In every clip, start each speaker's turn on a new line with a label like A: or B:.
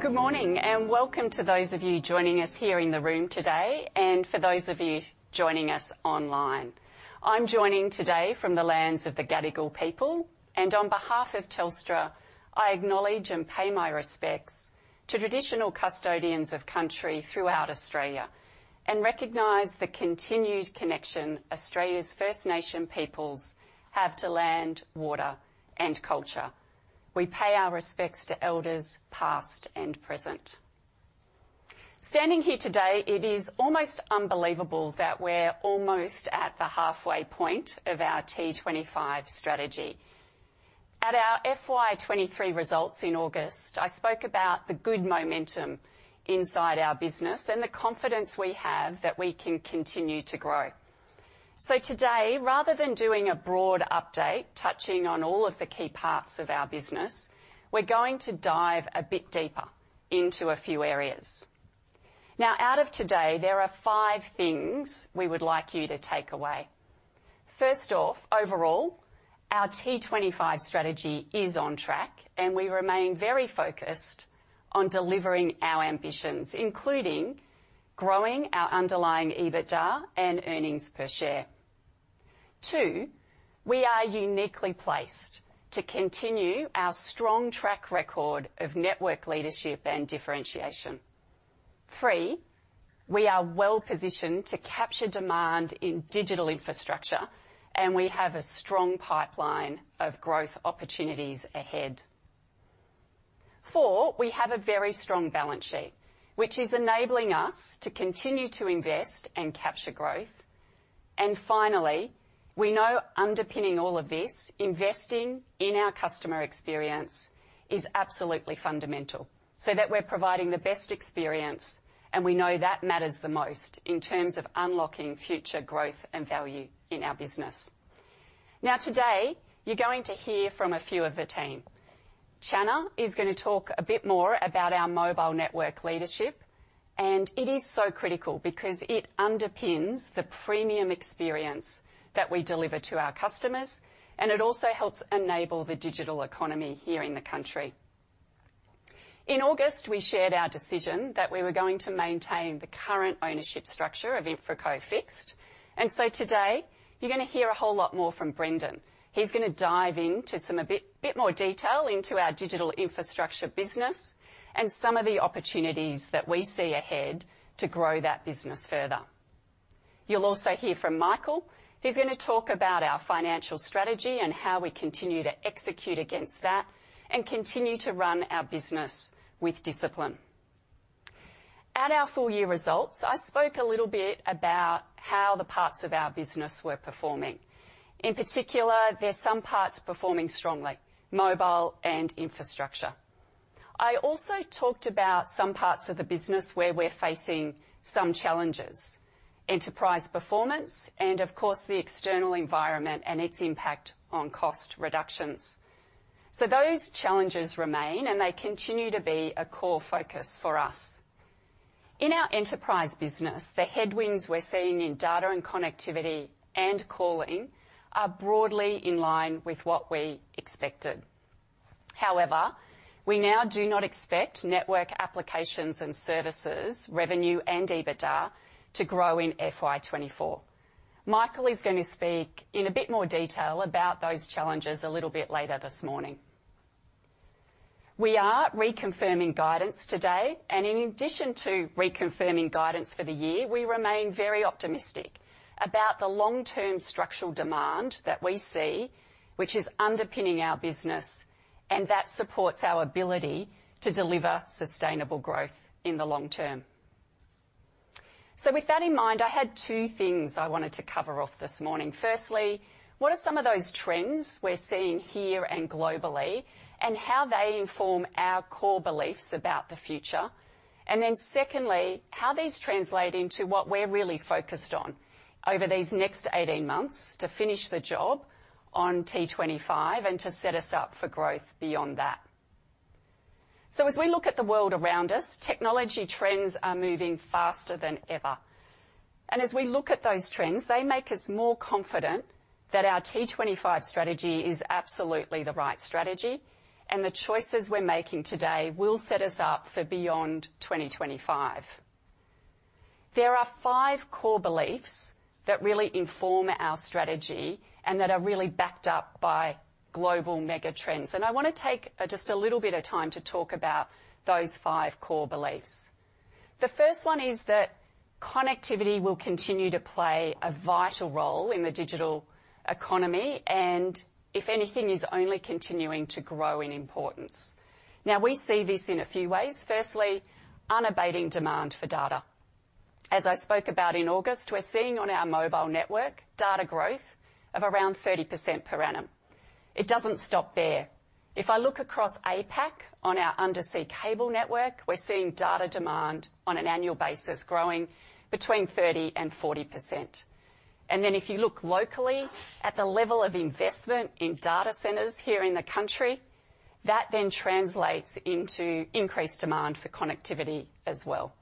A: Good morning, and welcome to those of you joining us here in the room today, and for those of you joining us online. I'm joining today from the lands of the Gadigal people, and on behalf of Telstra, I acknowledge and pay my respects to traditional custodians of country throughout Australia, and recognize the continued connection Australia's First Nation peoples have to land, water, and culture. We pay our respects to elders, past and present. Standing here today, it is almost unbelievable that we're almost at the halfway point of our T25 strategy. At our FY 2023 results in August, I spoke about the good momentum inside our business and the confidence we have that we can continue to grow. So today, rather than doing a broad update touching on all of the key parts of our business, we're going to dive a bit deeper into a few areas. Now, out of today, there are five things we would like you to take away. First off, overall, our T25 strategy is on track, and we remain very focused on delivering our ambitions, including growing our underlying EBITDA and earnings per share. Two, we are uniquely placed to continue our strong track record of network leadership and differentiation. Three, we are well positioned to capture demand in digital infrastructure, and we have a strong pipeline of growth opportunities ahead. Four, we have a very strong balance sheet, which is enabling us to continue to invest and capture growth. And finally, we know underpinning all of this, investing in our customer experience is absolutely fundamental, so that we're providing the best experience, and we know that matters the most in terms of unlocking future growth and value in our business. Now, today, you're going to hear from a few of the team. Channa is going to talk a bit more about our mobile network leadership, and it is so critical because it underpins the premium experience that we deliver to our customers, and it also helps enable the digital economy here in the country. In August, we shared our decision that we were going to maintain the current ownership structure of InfraCo Fixed, and so today you're going to hear a whole lot more from Brendon. He's going to dive into some a bit more detail into our digital infrastructure business and some of the opportunities that we see ahead to grow that business further. You'll also hear from Michael, who's going to talk about our financial strategy and how we continue to execute against that and continue to run our business with discipline. At our full year results, I spoke a little bit about how the parts of our business were performing. In particular, there's some parts performing strongly, mobile and infrastructure. I also talked about some parts of the business where we're facing some challenges: enterprise performance, and of course, the external environment and its impact on cost reductions. So those challenges remain, and they continue to be a core focus for us. In our enterprise business, the headwinds we're seeing in data and connectivity and calling are broadly in line with what we expected. However, we now do not expect network applications and services, revenue, and EBITDA to grow in FY 2024. Michael is going to speak in a bit more detail about those challenges a little bit later this morning. We are reconfirming guidance today, and in addition to reconfirming guidance for the year, we remain very optimistic about the long-term structural demand that we see, which is underpinning our business, and that supports our ability to deliver sustainable growth in the long term. So with that in mind, I had two things I wanted to cover off this morning. Firstly, what are some of those trends we're seeing here and globally, and how they inform our core beliefs about the future? And then secondly, how these translate into what we're really focused on over these next 18 months to finish the job on T25 and to set us up for growth beyond that. So as we look at the world around us, technology trends are moving faster than ever, and as we look at those trends, they make us more confident that our T25 strategy is absolutely the right strategy, and the choices we're making today will set us up for beyond 2025. There are five core beliefs that really inform our strategy and that are really backed up by global mega trends, and I want to take just a little bit of time to talk about those five core beliefs. The first one is that connectivity will continue to play a vital role in the digital economy, and if anything, is only continuing to grow in importance. Now, we see this in a few ways. Firstly, unabating demand for data. As I spoke about in August, we're seeing on our mobile network data growth of around 30% per annum. It doesn't stop there. If I look across APAC on our undersea cable network, we're seeing data demand on an annual basis growing between 30%-40%. Then if you look locally at the level of investment in data centers here in the country, that then translates into increased demand for connectivity as well.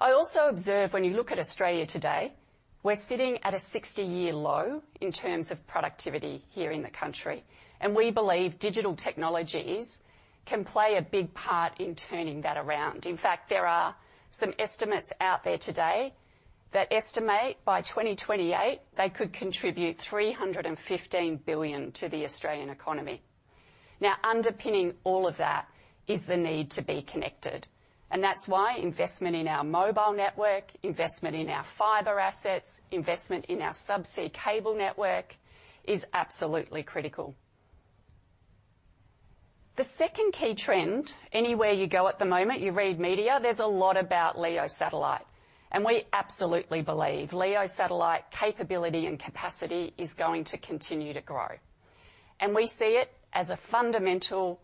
A: I also observe when you look at Australia today, we're sitting at a 60-year low in terms of productivity here in the country, and we believe digital technologies can play a big part in turning that around. In fact, there are some estimates out there today that estimate by 2028, they could contribute 315 billion to the Australian economy. Now, underpinning all of that is the need to be connected, and that's why investment in our mobile network, investment in our fiber assets, investment in our subsea cable network is absolutely critical. The second key trend, anywhere you go at the moment, you read media, there's a lot about LEO satellite, and we absolutely believe LEO satellite capability and capacity is going to continue to grow, and we see it as a fundamental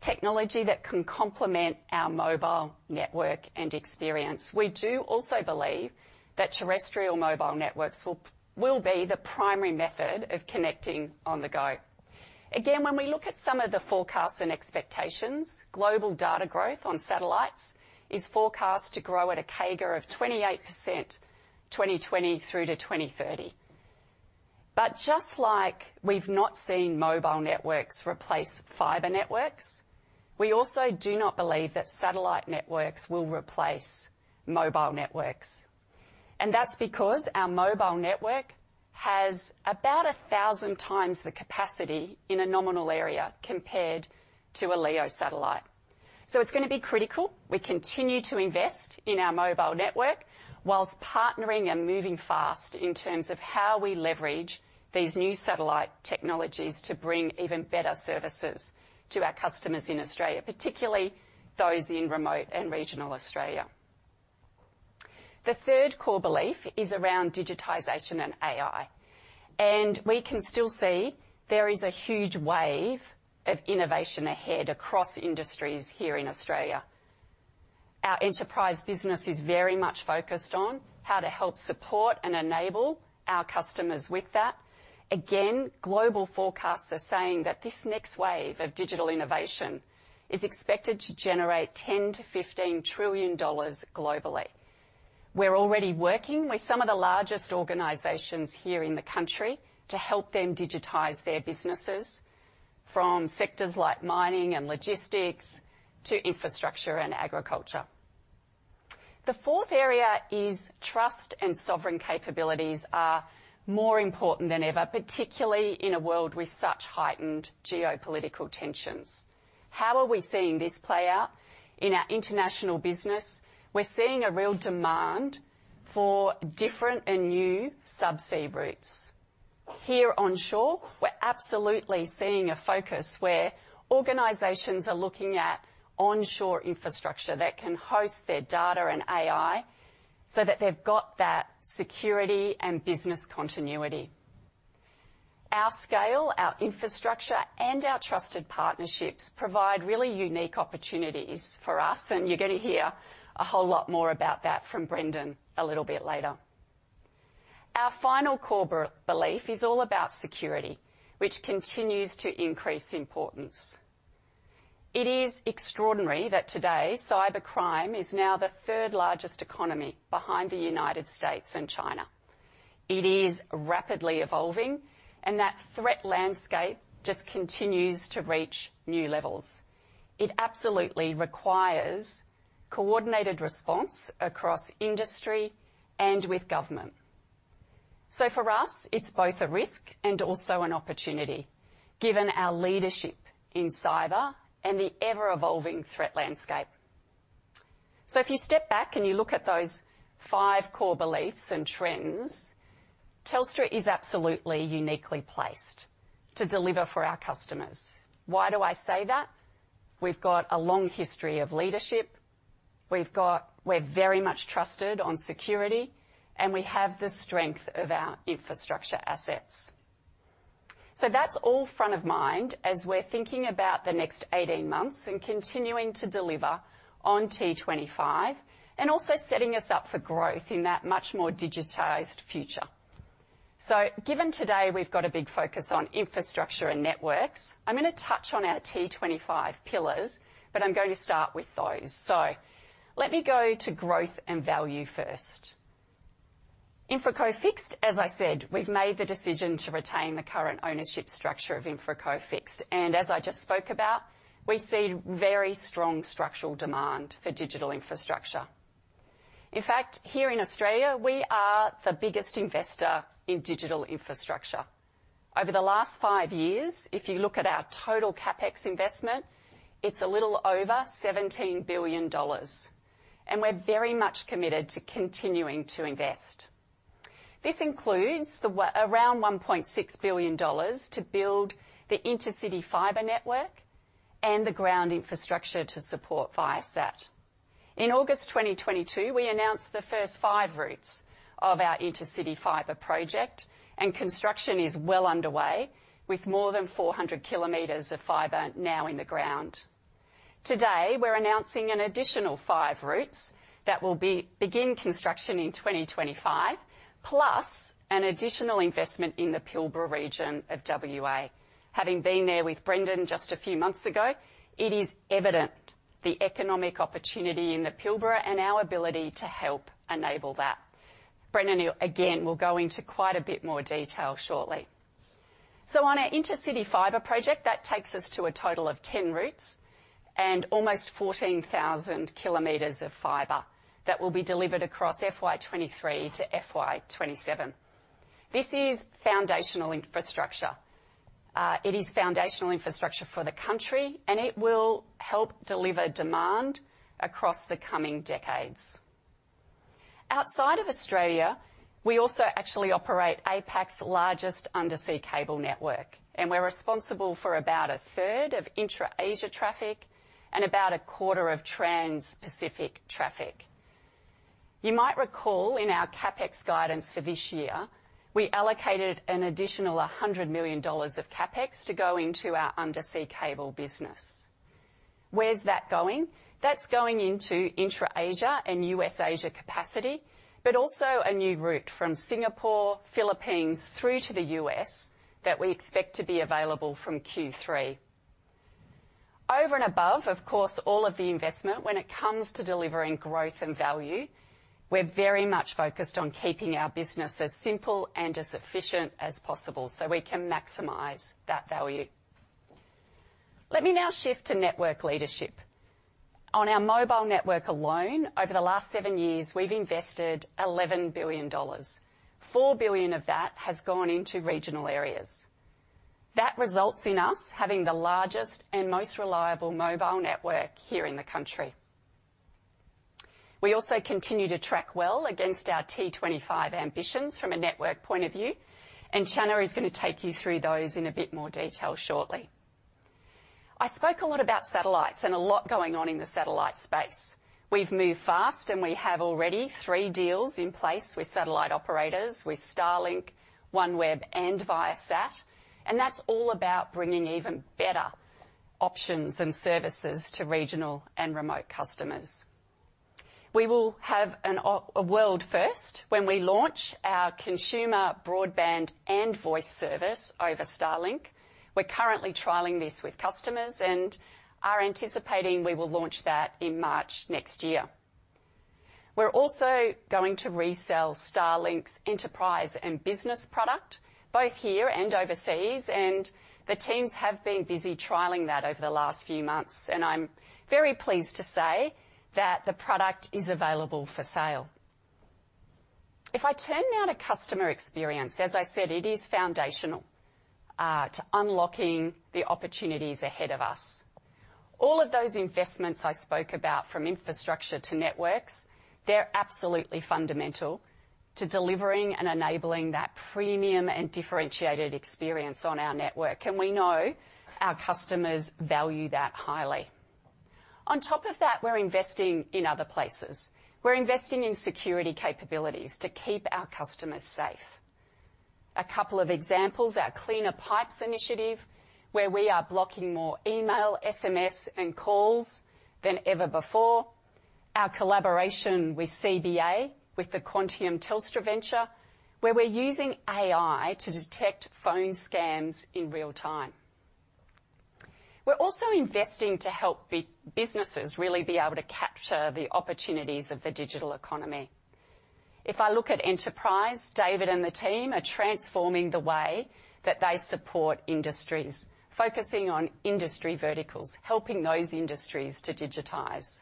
A: technology that can complement our mobile network and experience. We do also believe that terrestrial mobile networks will be the primary method of connecting on the go. Again, when we look at some of the forecasts and expectations, global data growth on satellites is forecast to grow at a CAGR of 28%, 2020 through to 2030. But just like we've not seen mobile networks replace fiber networks, we also do not believe that satellite networks will replace mobile networks, and that's because our mobile network has about 1,000 times the capacity in a nominal area compared to a LEO satellite. So it's going to be critical. We continue to invest in our mobile network whilst partnering and moving fast in terms of how we leverage these new satellite technologies to bring even better services to our customers in Australia, particularly those in remote and regional Australia. The third core belief is around digitization and AI, and we can still see there is a huge wave of innovation ahead across industries here in Australia. Our enterprise business is very much focused on how to help support and enable our customers with that. Again, global forecasts are saying that this next wave of digital innovation is expected to generate $10-15 trillion globally. We're already working with some of the largest organizations here in the country to help them digitize their businesses, from sectors like mining and logistics to infrastructure and agriculture. The fourth area is trust and sovereign capabilities are more important than ever, particularly in a world with such heightened geopolitical tensions. How are we seeing this play out? In our international business, we're seeing a real demand for different and new subsea routes. Here onshore, we're absolutely seeing a focus where organizations are looking at onshore infrastructure that can host their data and AI, so that they've got that security and business continuity. Our scale, our infrastructure, and our trusted partnerships provide really unique opportunities for us, and you're going to hear a whole lot more about that from Brendon a little bit later. Our final core belief is all about security, which continues to increase importance. It is extraordinary that today, cybercrime is now the third largest economy behind the United States and China. It is rapidly evolving, and that threat landscape just continues to reach new levels. It absolutely requires coordinated response across industry and with government. So for us, it's both a risk and also an opportunity, given our leadership in cyber and the ever-evolving threat landscape. So if you step back and you look at those five core beliefs and trends, Telstra is absolutely uniquely placed to deliver for our customers. Why do I say that? We've got a long history of leadership, we've got... We're very much trusted on security, and we have the strength of our infrastructure assets. So that's all front of mind as we're thinking about the next 18 months and continuing to deliver on T25, and also setting us up for growth in that much more digitized future. So given today, we've got a big focus on infrastructure and networks, I'm going to touch on our T25 pillars, but I'm going to start with those. So let me go to growth and value first. InfraCo Fixed, as I said, we've made the decision to retain the current ownership structure of InfraCo Fixed, and as I just spoke about, we see very strong structural demand for digital infrastructure. In fact, here in Australia, we are the biggest investor in digital infrastructure. Over the last five years, if you look at our total CapEx investment, it's a little over 17 billion dollars, and we're very much committed to continuing to invest. This includes the around 1.6 billion dollars to build the Intercity Fibre network and the ground infrastructure to support Viasat. In August 2022, we announced the first five routes of our Intercity Fibre project, and construction is well underway, with more than 400 kilometers of fiber now in the ground. Today, we're announcing an additional five routes that will begin construction in 2025, plus an additional investment in the Pilbara region of WA. Having been there with Brendon just a few months ago, it is evident, the economic opportunity in the Pilbara and our ability to help enable that. Brendon, again, will go into quite a bit more detail shortly. So on our Intercity Fibre project, that takes us to a total of 10 routes and almost 14,000 km of fiber that will be delivered across FY 2023 to FY 2027. This is foundational infrastructure. It is foundational infrastructure for the country, and it will help deliver demand across the coming decades. Outside of Australia, we also actually operate APAC's largest undersea cable network, and we're responsible for about a third of intra-Asia traffic and about a quarter of trans-Pacific traffic. You might recall in our CapEx guidance for this year, we allocated an additional 100 million dollars of CapEx to go into our undersea cable business. Where's that going? That's going into intra-Asia and US-Asia capacity, but also a new route from Singapore, Philippines, through to the US, that we expect to be available from Q3. Over and above, of course, all of the investment, when it comes to delivering growth and value, we're very much focused on keeping our business as simple and as efficient as possible, so we can maximize that value. Let me now shift to network leadership. On our mobile network alone, over the last 7 years, we've invested 11 billion dollars. 4 billion of that has gone into regional areas. That results in us having the largest and most reliable mobile network here in the country. We also continue to track well against our T25 ambitions from a network point of view, and Channa is going to take you through those in a bit more detail shortly. I spoke a lot about satellites and a lot going on in the satellite space. We've moved fast, and we have already three deals in place with satellite operators, with Starlink, OneWeb, and Viasat, and that's all about bringing even better options and services to regional and remote customers. We will have an, a world first when we launch our consumer broadband and voice service over Starlink. We're currently trialing this with customers and are anticipating we will launch that in March next year. We're also going to resell Starlink's enterprise and business product, both here and overseas, and the teams have been busy trialing that over the last few months, and I'm very pleased to say that the product is available for sale. If I turn now to customer experience, as I said, it is foundational to unlocking the opportunities ahead of us. All of those investments I spoke about, from infrastructure to networks, they're absolutely fundamental to delivering and enabling that premium and differentiated experience on our network, and we know our customers value that highly. On top of that, we're investing in other places. We're investing in security capabilities to keep our customers safe. A couple of examples, our Cleaner Pipes initiative, where we are blocking more email, SMS, and calls than ever before. Our collaboration with CBA, with the Quantium Telstra venture, where we're using AI to detect phone scams in real time. We're also investing to help businesses really be able to capture the opportunities of the digital economy. If I look at enterprise, David and the team are transforming the way that they support industries, focusing on industry verticals, helping those industries to digitize.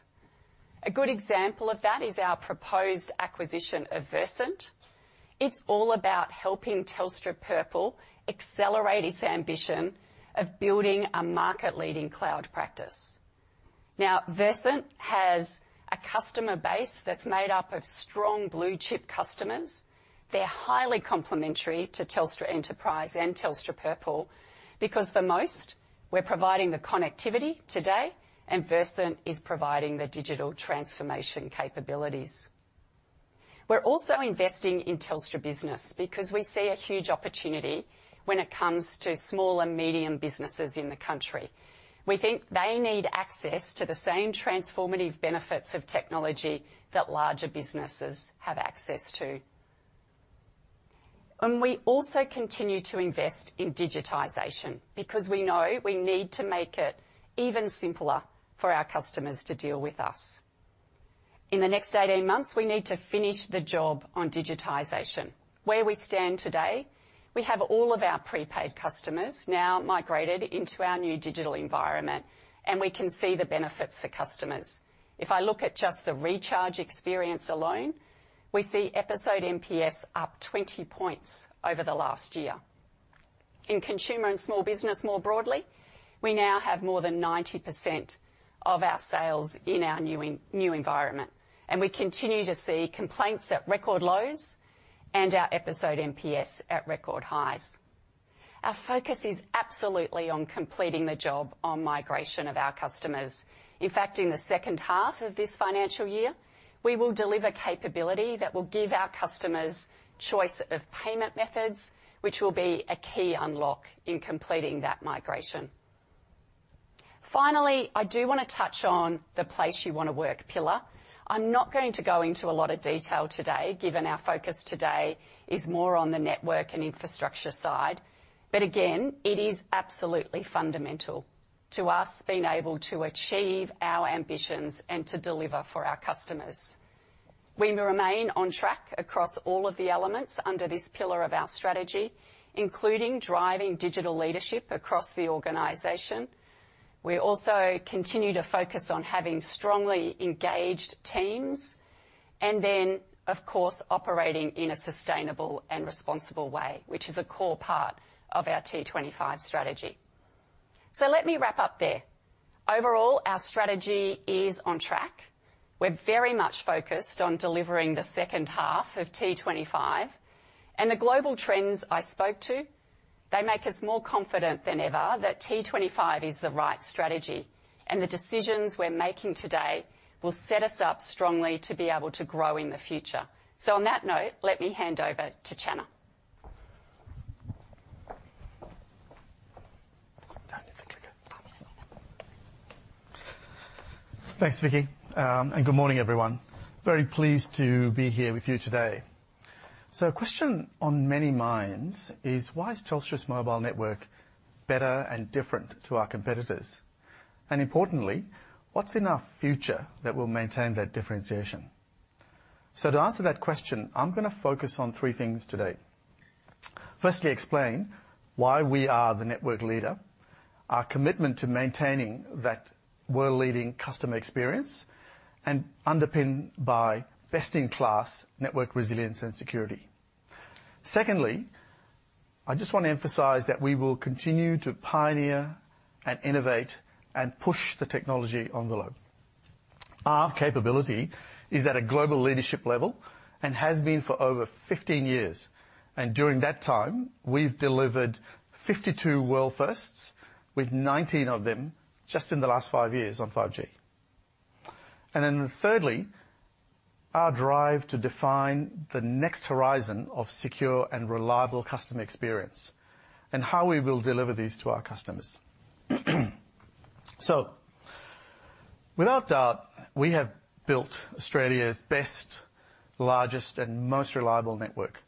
A: A good example of that is our proposed acquisition of Versent. It's all about helping Telstra Purple accelerate its ambition of building a market-leading cloud practice. Now, Versent has a customer base that's made up of strong blue-chip customers. They're highly complementary to Telstra Enterprise and Telstra Purple because, for most, we're providing the connectivity today, and Versent is providing the digital transformation capabilities. We're also investing in Telstra Business because we see a huge opportunity when it comes to small and medium businesses in the country. We think they need access to the same transformative benefits of technology that larger businesses have access to. We also continue to invest in digitization because we know we need to make it even simpler for our customers to deal with us. In the next 18 months, we need to finish the job on digitization. Where we stand today, we have all of our prepaid customers now migrated into our new digital environment, and we can see the benefits for customers. If I look at just the recharge experience alone, we see Episode NPS up 20 points over the last year. In consumer and small business more broadly, we now have more than 90% of our sales in our new environment, and we continue to see complaints at record lows and our Episode NPS at record highs. Our focus is absolutely on completing the job on migration of our customers. In fact, in the second half of this financial year, we will deliver capability that will give our customers choice of payment methods, which will be a key unlock in completing that migration. Finally, I do want to touch on the place you want to work pillar. I'm not going to go into a lot of detail today, given our focus today is more on the network and infrastructure side. Again, it is absolutely fundamental to us being able to achieve our ambitions and to deliver for our customers.... We will remain on track across all of the elements under this pillar of our strategy, including driving digital leadership across the organization. We also continue to focus on having strongly engaged teams and then, of course, operating in a sustainable and responsible way, which is a core part of our T25 strategy. Let me wrap up there. Overall, our strategy is on track. We're very much focused on delivering the second half of T25, and the global trends I spoke to, they make us more confident than ever that T25 is the right strategy, and the decisions we're making today will set us up strongly to be able to grow in the future. So on that note, let me hand over to Channa.
B: Thanks, Vicki, and good morning, everyone. Very pleased to be here with you today. So a question on many minds is: Why is Telstra's mobile network better and different to our competitors? And importantly, what's in our future that will maintain that differentiation? So to answer that question, I'm gonna focus on three things today. Firstly, explain why we are the network leader, our commitment to maintaining that world-leading customer experience, and underpinned by best-in-class network resilience and security. Secondly, I just want to emphasize that we will continue to pioneer and innovate and push the technology envelope. Our capability is at a global leadership level and has been for over 15 years, and during that time, we've delivered 52 world firsts, with 19 of them just in the last 5 years on 5G. And then thirdly, our drive to define the next horizon of secure and reliable customer experience and how we will deliver these to our customers. Without doubt, we have built Australia's best, largest, and most reliable network.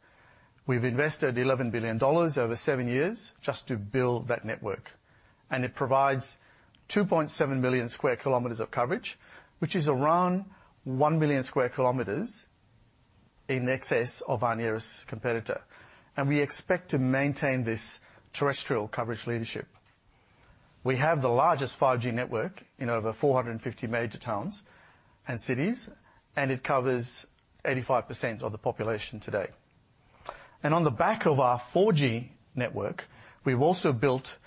B: We've invested 11 billion dollars over 7 years just to build that network, and it provides 2.7 million sq km of coverage, which is around 1 million sq km in excess of our nearest competitor, and we expect to maintain this terrestrial coverage leadership. We have the largest 5G network in over 450 major towns and cities, and it covers 85% of the population today. On the back of our 4G network, we've also built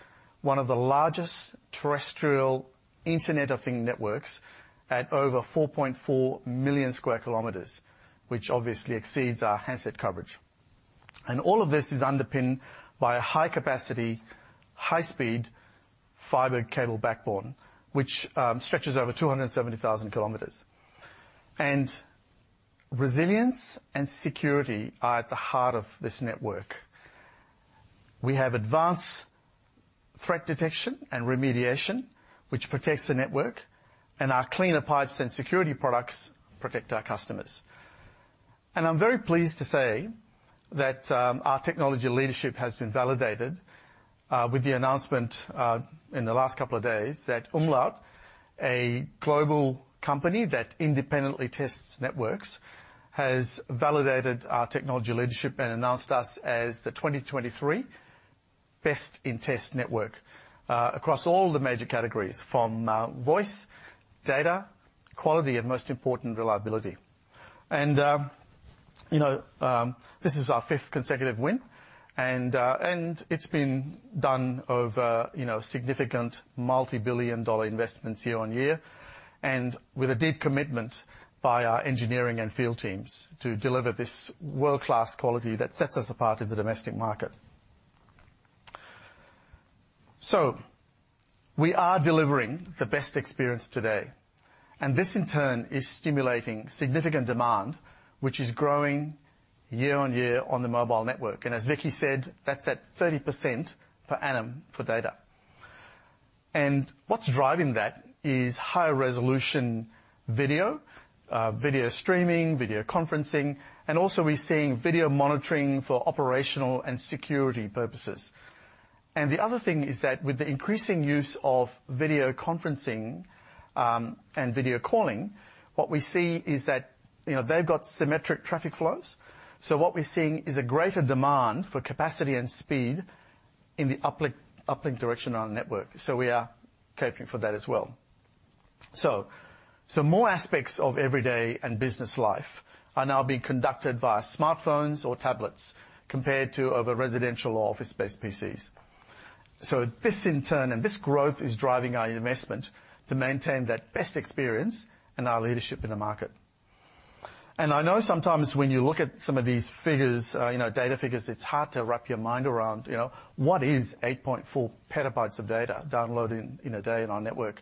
B: one of the largest terrestrial Internet of Things networks at over 4.4 million sq km, which obviously exceeds our handset coverage. All of this is underpinned by a high-capacity, high-speed fiber cable backbone, which stretches over 270,000 kilometers. Resilience and security are at the heart of this network. We have advanced threat detection and remediation, which protects the network, and our Cleaner Pipes and security products protect our customers. I'm very pleased to say that our technology leadership has been validated with the announcement in the last couple of days that umlaut, a global company that independently tests networks, has validated our technology leadership and announced us as the 2023 Best in Test network across all the major categories from voice, data, quality, and, most important, reliability. This is our fifth consecutive win, and it's been done over significant multibillion-dollar investments year on year, and with a deep commitment by our engineering and field teams to deliver this world-class quality that sets us apart in the domestic market. So we are delivering the best experience today, and this, in turn, is stimulating significant demand, which is growing year on year on the mobile network. As Vicki said, that's at 30% per annum for data. What's driving that is high-resolution video, video streaming, video conferencing, and also we're seeing video monitoring for operational and security purposes. The other thing is that with the increasing use of video conferencing and video calling, what we see is that, you know, they've got symmetric traffic flows. So what we're seeing is a greater demand for capacity and speed in the uplink, uplink direction on our network. So we are catering for that as well. So, so more aspects of everyday and business life are now being conducted via smartphones or tablets compared to over residential or office-based PCs. So this in turn, and this growth is driving our investment to maintain that best experience and our leadership in the market. And I know sometimes when you look at some of these figures, you know, data figures, it's hard to wrap your mind around, you know, what is 8.4 petabytes of data downloaded in a day on our network?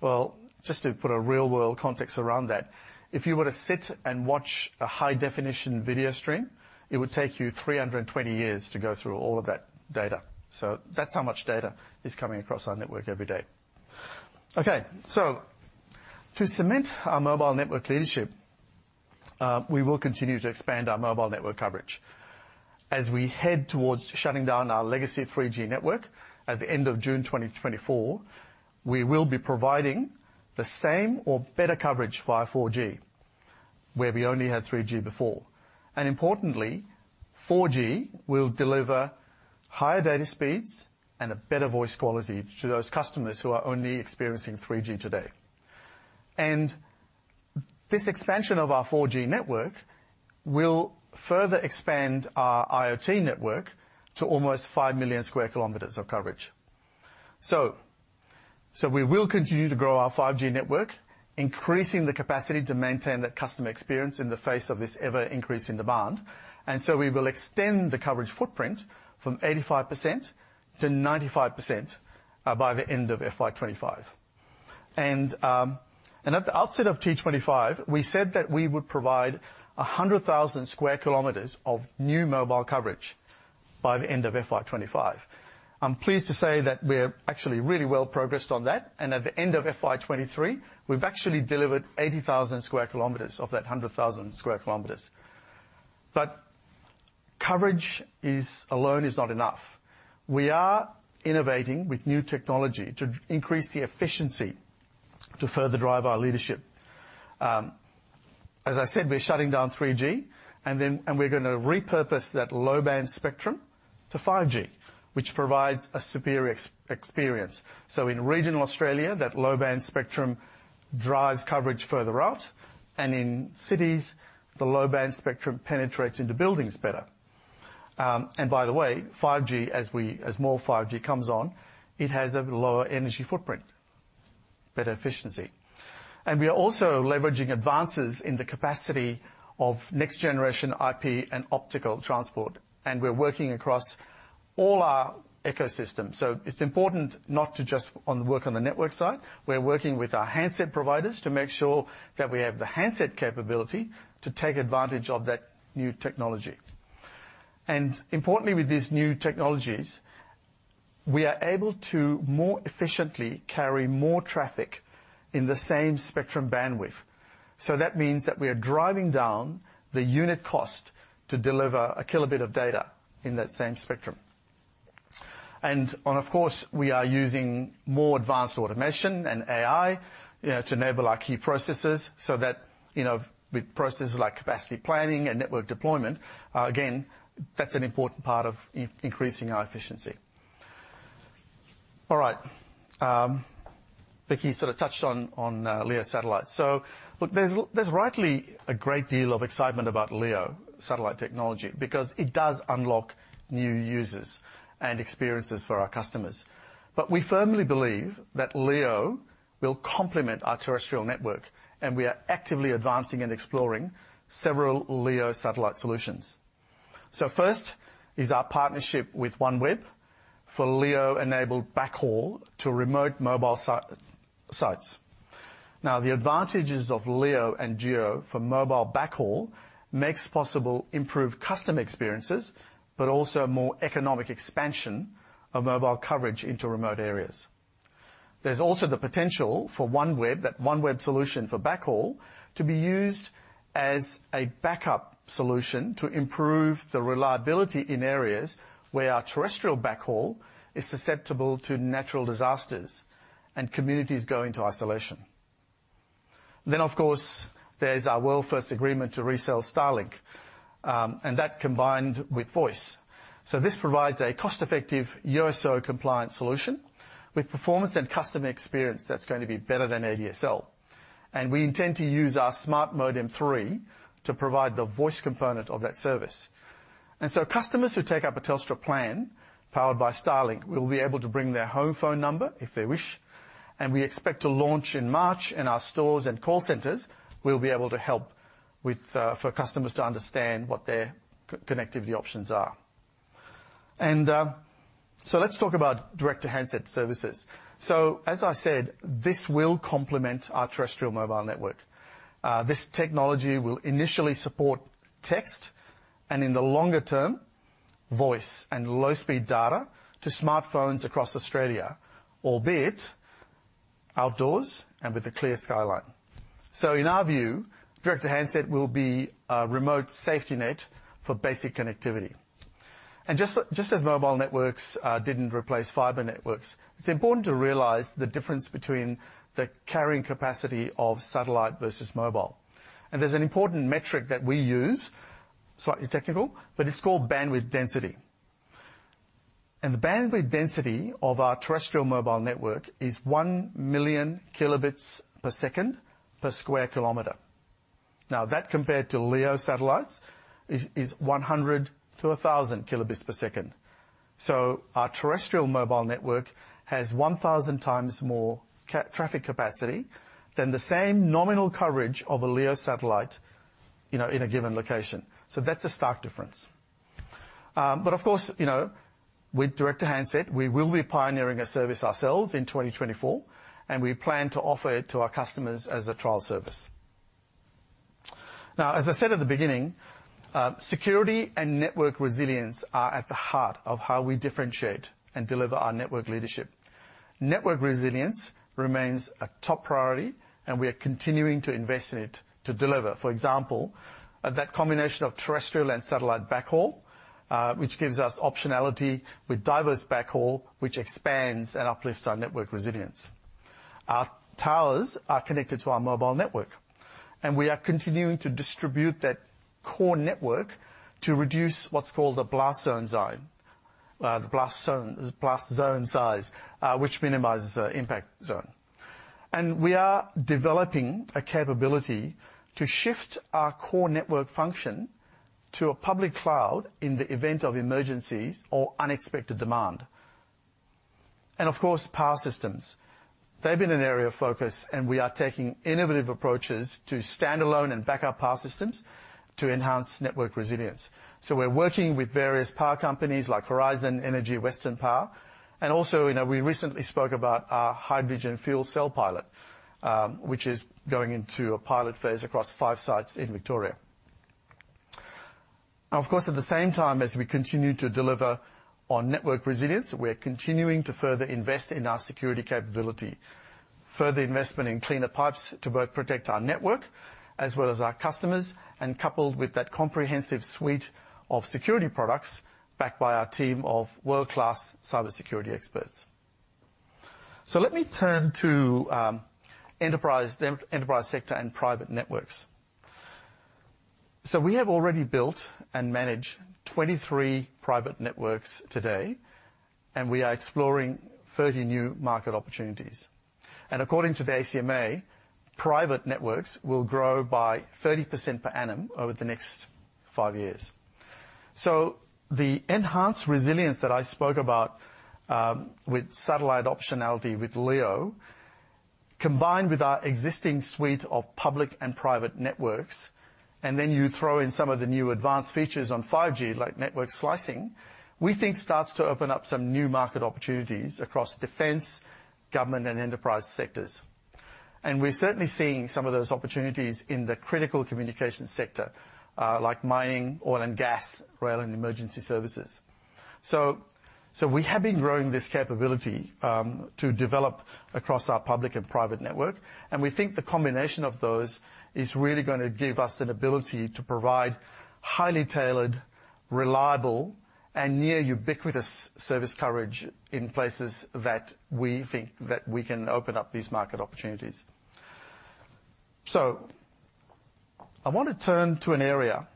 B: Well, just to put a real-world context around that, if you were to sit and watch a high-definition video stream, it would take you 320 years to go through all of that data. So that's how much data is coming across our network every day. Okay, so to cement our mobile network leadership, we will continue to expand our mobile network coverage as we head towards shutting down our legacy 3G network at the end of June 2024, we will be providing the same or better coverage via 4G, where we only had 3G before. And importantly, 4G will deliver higher data speeds and a better voice quality to those customers who are only experiencing 3G today. And this expansion of our 4G network will further expand our IoT network to almost 5 million square kilometers of coverage. So we will continue to grow our 5G network, increasing the capacity to maintain that customer experience in the face of this ever-increasing demand. And so we will extend the coverage footprint from 85% to 95% by the end of FY 2025. And at the outset of T25, we said that we would provide 100,000 sq km of new mobile coverage by the end of FY 2025. I'm pleased to say that we're actually really well progressed on that, and at the end of FY 2023, we've actually delivered 80,000 sq km of that 100,000 sq km. But coverage alone is not enough. We are innovating with new technology to increase the efficiency to further drive our leadership. As I said, we're shutting down 3G, and then, and we're gonna repurpose that low-band spectrum to 5G, which provides a superior experience. So in regional Australia, that low-band spectrum drives coverage further out, and in cities, the low-band spectrum penetrates into buildings better. And by the way, 5G, as we, as more 5G comes on, it has a lower energy footprint, better efficiency. And we are also leveraging advances in the capacity of next-generation IP and optical transport, and we're working across all our ecosystems. So it's important not to just work on the network side. We're working with our handset providers to make sure that we have the handset capability to take advantage of that new technology. And importantly, with these new technologies, we are able to more efficiently carry more traffic in the same spectrum bandwidth. So that means that we are driving down the unit cost to deliver a kilobit of data in that same spectrum. And, of course, we are using more advanced automation and AI, you know, to enable our key processes so that, you know, with processes like capacity planning and network deployment, again, that's an important part of increasing our efficiency. All right. Vicki sort of touched on LEO satellites. So look, there's rightly a great deal of excitement about LEO satellite technology because it does unlock new users and experiences for our customers. But we firmly believe that LEO will complement our terrestrial network, and we are actively advancing and exploring several LEO satellite solutions. So first is our partnership with OneWeb for LEO-enabled backhaul to remote mobile sites. Now, the advantages of LEO and GEO for mobile backhaul makes possible improved customer experiences, but also more economic expansion of mobile coverage into remote areas. There's also the potential for OneWeb, that OneWeb solution for backhaul, to be used as a backup solution to improve the reliability in areas where our terrestrial backhaul is susceptible to natural disasters and communities go into isolation. Then, of course, there's our world-first agreement to resell Starlink, and that combined with voice. So this provides a cost-effective USO compliant solution with performance and customer experience that's going to be better than ADSL. And we intend to use our Smart Modem 3 to provide the voice component of that service. Customers who take up a Telstra plan powered by Starlink will be able to bring their home phone number if they wish, and we expect to launch in March in our stores, and call centers will be able to help with for customers to understand what their connectivity options are. So let's talk about direct-to-handset services. So, as I said, this will complement our terrestrial mobile network. This technology will initially support text and, in the longer term, voice and low-speed data to smartphones across Australia, albeit outdoors and with a clear skyline. So in our view, direct-to-handset will be a remote safety net for basic connectivity. And just as mobile networks didn't replace fiber networks, it's important to realize the difference between the carrying capacity of satellite versus mobile. There's an important metric that we use, slightly technical, but it's called bandwidth density. The bandwidth density of our terrestrial mobile network is 1 million kbps per sq km. Now, that compared to LEO satellites is one hundred to a thousand kbps. So our terrestrial mobile network has 1,000 times more capacity than the same nominal coverage of a LEO satellite, you know, in a given location. So that's a stark difference. But of course, you know, with direct-to-handset, we will be pioneering a service ourselves in 2024, and we plan to offer it to our customers as a trial service. Now, as I said at the beginning, security and network resilience are at the heart of how we differentiate and deliver our network leadership. Network resilience remains a top priority, and we are continuing to invest in it to deliver, for example, that combination of terrestrial and satellite backhaul, which gives us optionality with diverse backhaul, which expands and uplifts our network resilience. Our towers are connected to our mobile network, and we are continuing to distribute that core network to reduce what's called a blast zone. The blast zone size, which minimizes the impact zone. And we are developing a capability to shift our core network function to a public cloud in the event of emergencies or unexpected demand. And of course, power systems. They've been an area of focus, and we are taking innovative approaches to standalone and backup power systems to enhance network resilience. So we're working with various power companies like Horizon Energy, Western Power, and also, you know, we recently spoke about our hydrogen fuel cell pilot, which is going into a pilot phase across 5 sites in Victoria. Of course, at the same time as we continue to deliver on network resilience, we're continuing to further invest in our security capability. Further investment in Cleaner Pipes to both protect our network as well as our customers, and coupled with that comprehensive suite of security products backed by our team of world-class cybersecurity experts. So let me turn to enterprise, enterprise sector and private networks. So we have already built and manage 23 private networks today, and we are exploring 30 new market opportunities. According to the ACMA, private networks will grow by 30% per annum over the next 5 years. So the enhanced resilience that I spoke about, with satellite optionality, with LEO, combined with our existing suite of public and private networks, and then you throw in some of the new advanced features on 5G, like network slicing, we think starts to open up some new market opportunities across defense, government, and enterprise sectors. And we're certainly seeing some of those opportunities in the critical communication sector, like mining, oil and gas, rail, and emergency services. So we have been growing this capability, to develop across our public and private network, and we think the combination of those is really gonna give us an ability to provide highly tailored, reliable, and near ubiquitous service coverage in places that we think that we can open up these market opportunities. So I want to turn to an area,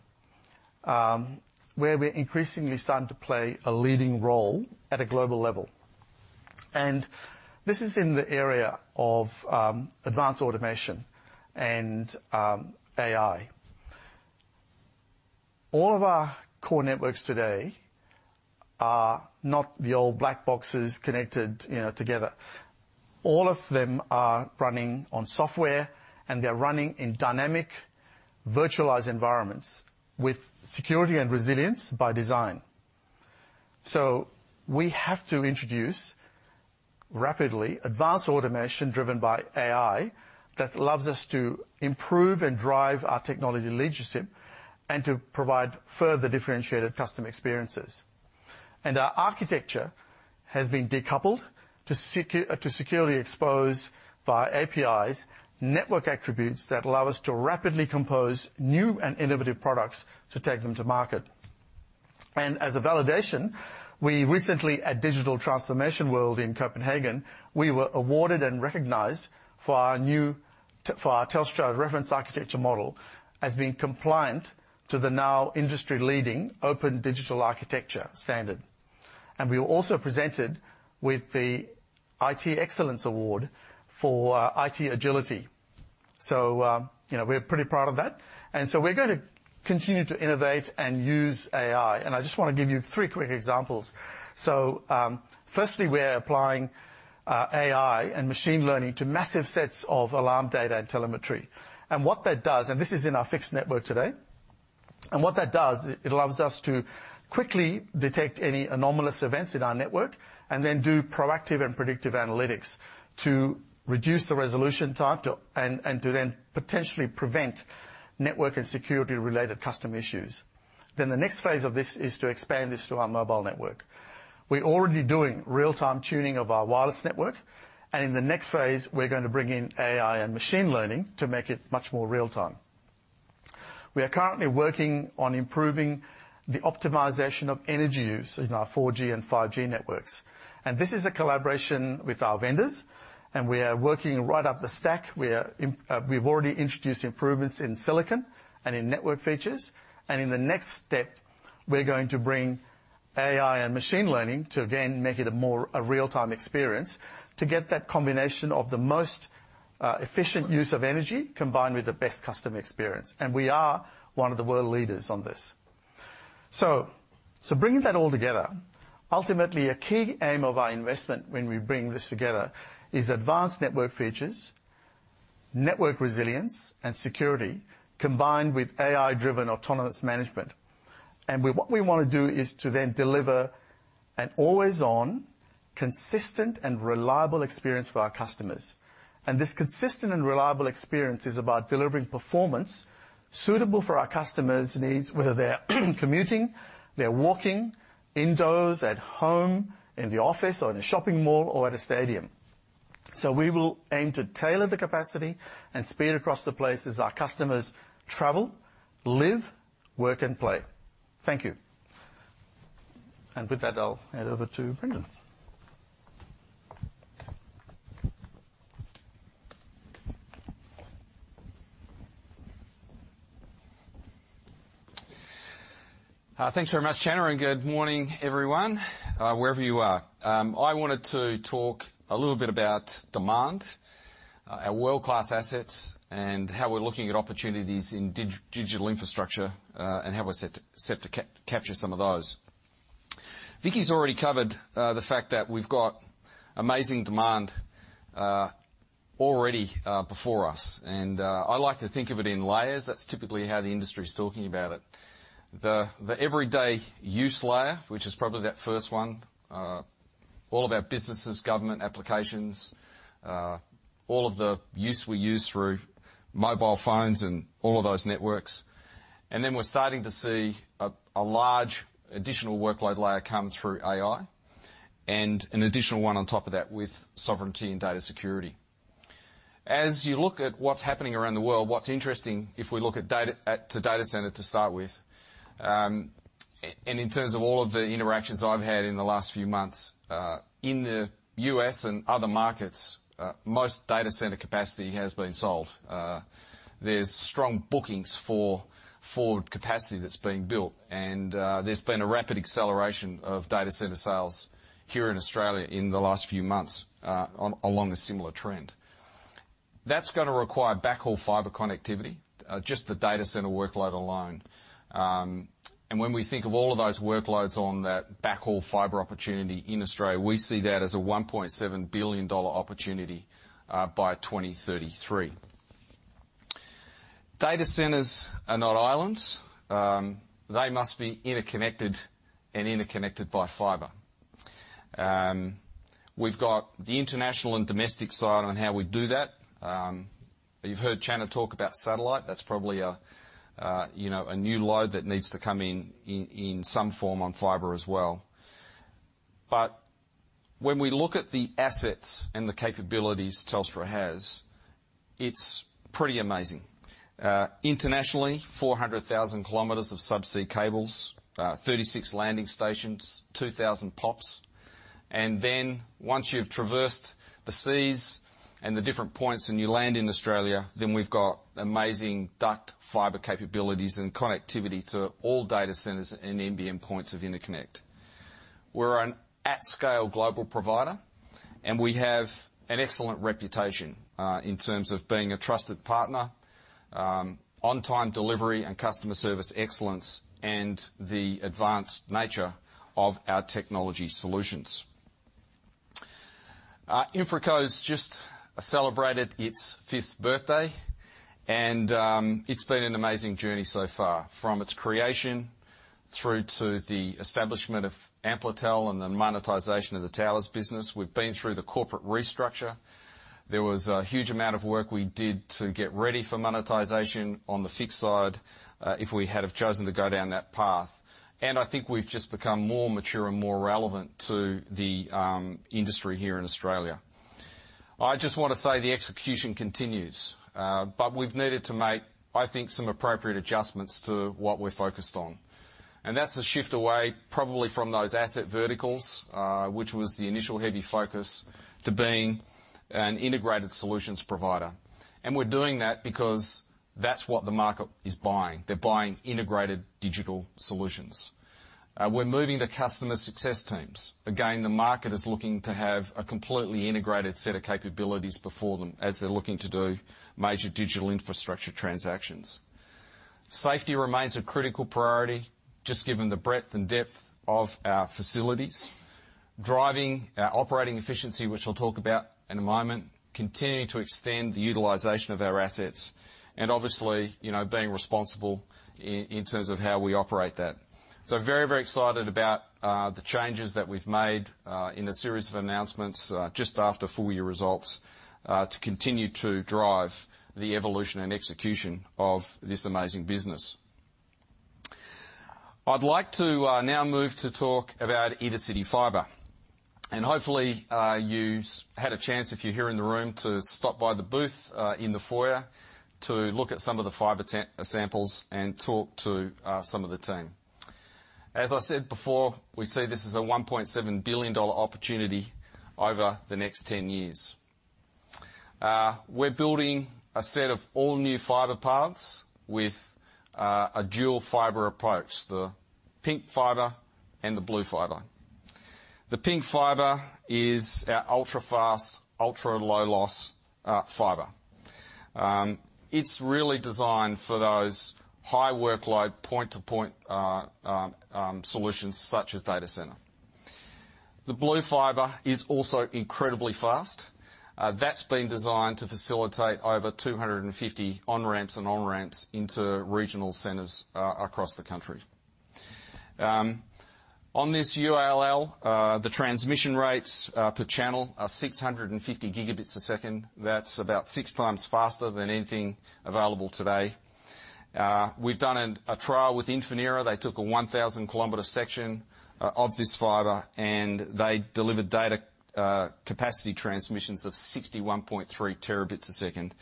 B: where we're increasingly starting to play a leading role at a global level, and this is in the area of advanced automation and AI. All of our core networks today are not the old black boxes connected, you know, together. All of them are running on software, and they're running in dynamic, virtualized environments with security and resilience by design. So we have to introduce rapidly advanced automation driven by AI, that allows us to improve and drive our technology leadership and to provide further differentiated customer experiences. And our architecture has been decoupled to securely expose, via APIs, network attributes that allow us to rapidly compose new and innovative products to take them to market. As a validation, we recently, at Digital Transformation World in Copenhagen, we were awarded and recognized for our new, for our Telstra reference architecture model, as being compliant to the now industry-leading Open Digital Architecture standard. And we were also presented with the IT Excellence Award for IT agility. So, you know, we're pretty proud of that. And so we're going to continue to innovate and use AI. And I just want to give you three quick examples. So, firstly, we are applying AI and machine learning to massive sets of alarm data and telemetry. What that does, and this is in our fixed network today, and what that does is it allows us to quickly detect any anomalous events in our network, and then do proactive and predictive analytics to reduce the resolution time, and to then potentially prevent network and security-related customer issues. The next phase of this is to expand this to our mobile network. We're already doing real-time tuning of our wireless network, and in the next phase we're going to bring in AI and machine learning to make it much more real time. We are currently working on improving the optimization of energy use in our 4G and 5G networks, and this is a collaboration with our vendors, and we are working right up the stack. We are, we've already introduced improvements in silicon and in network features, and in the next step, we're going to bring AI and machine learning to, again, make it a more real-time experience to get that combination of the most efficient use of energy, combined with the best customer experience. We are one of the world leaders on this. So bringing that all together, ultimately, a key aim of our investment when we bring this together, is advanced network features, network resilience, and security, combined with AI-driven, autonomous management. What we want to do is to then deliver an always-on, consistent, and reliable experience for our customers. This consistent and reliable experience is about delivering performance suitable for our customers' needs, whether they're commuting, they're walking, indoors, at home, in the office, or in a shopping mall, or at a stadium. We will aim to tailor the capacity and speed across the places our customers travel, live, work, and play. Thank you. With that, I'll hand over to Brendon.
C: Thanks very much, Channa, and good morning, everyone, wherever you are. I wanted to talk a little bit about demand, our world-class assets, and how we're looking at opportunities in digital infrastructure, and how we're set to capture some of those. Vicki's already covered the fact that we've got amazing demand already before us, and I like to think of it in layers. That's typically how the industry's talking about it. The everyday use layer, which is probably that first one, all of our businesses, government applications, all of the use we use through mobile phones and all of those networks, and then we're starting to see a large additional workload layer come through AI, and an additional one on top of that with sovereignty and data security. As you look at what's happening around the world, what's interesting, if we look at data, at the data center to start with, and in terms of all of the interactions I've had in the last few months, in the U.S. and other markets, most data center capacity has been sold. There's strong bookings for capacity that's being built, and there's been a rapid acceleration of data center sales here in Australia in the last few months, along a similar trend. That's gonna require backhaul fiber connectivity, just the data center workload alone. And when we think of all of those workloads on that backhaul fiber opportunity in Australia, we see that as a 1.7 billion dollar opportunity by 2033. Data centers are not islands. They must be interconnected and interconnected by fiber. We've got the international and domestic side on how we do that. You've heard Channa talk about satellite. That's probably a, you know, a new load that needs to come in, in some form on fiber as well. But when we look at the assets and the capabilities Telstra has, it's pretty amazing. Internationally, 400,000 kilometers of subsea cables, 36 landing stations, 2,000 POPs, and then once you've traversed the seas and the different points, and you land in Australia, then we've got amazing duct fiber capabilities and connectivity to all data centers and NBN points of interconnect. We're an at-scale global provider, and we have an excellent reputation, in terms of being a trusted partner, on-time delivery and customer service excellence, and the advanced nature of our technology solutions. InfraCo's just celebrated its fifth birthday, and it's been an amazing journey so far. From its creation through to the establishment of Amplitel and the monetization of the towers business, we've been through the corporate restructure. There was a huge amount of work we did to get ready for monetization on the fixed side, if we had have chosen to go down that path, and I think we've just become more mature and more relevant to the industry here in Australia. I just want to say the execution continues, but we've needed to make, I think, some appropriate adjustments to what we're focused on. And that's a shift away, probably from those asset verticals, which was the initial heavy focus, to being an integrated solutions provider, and we're doing that because that's what the market is buying. They're buying integrated digital solutions. We're moving to customer success teams. Again, the market is looking to have a completely integrated set of capabilities before them as they're looking to do major digital infrastructure transactions. Safety remains a critical priority, just given the breadth and depth of our facilities. Driving our operating efficiency, which I'll talk about in a moment, continuing to extend the utilization of our assets, and obviously, you know, being responsible in terms of how we operate that. So very, very excited about the changes that we've made in a series of announcements just after full year results to continue to drive the evolution and execution of this amazing business. I'd like to now move to talk about Intercity Fibre, and hopefully you've had a chance, if you're here in the room, to stop by the booth in the foyer to look at some of the fiber samples and talk to some of the team. As I said before, we see this as an 1.7 billion dollar opportunity over the next 10 years. We're building a set of all-new fiber paths with a dual fiber approach, the pink fiber and the blue fiber. The pink fiber is our ultra-fast, ultra-low loss fiber. It's really designed for those high workload, point-to-point solutions such as data center. The blue fiber is also incredibly fast. That's been designed to facilitate over 250 on-ramps and off-ramps into regional centers across the country. On this ULL, the transmission rates per channel are 650 gigabits a second. That's about six times faster than anything available today. We've done a trial with Infinera. They took a 1,000 kilometer section of this fiber, and they delivered data capacity transmissions of 61.3 terabits a second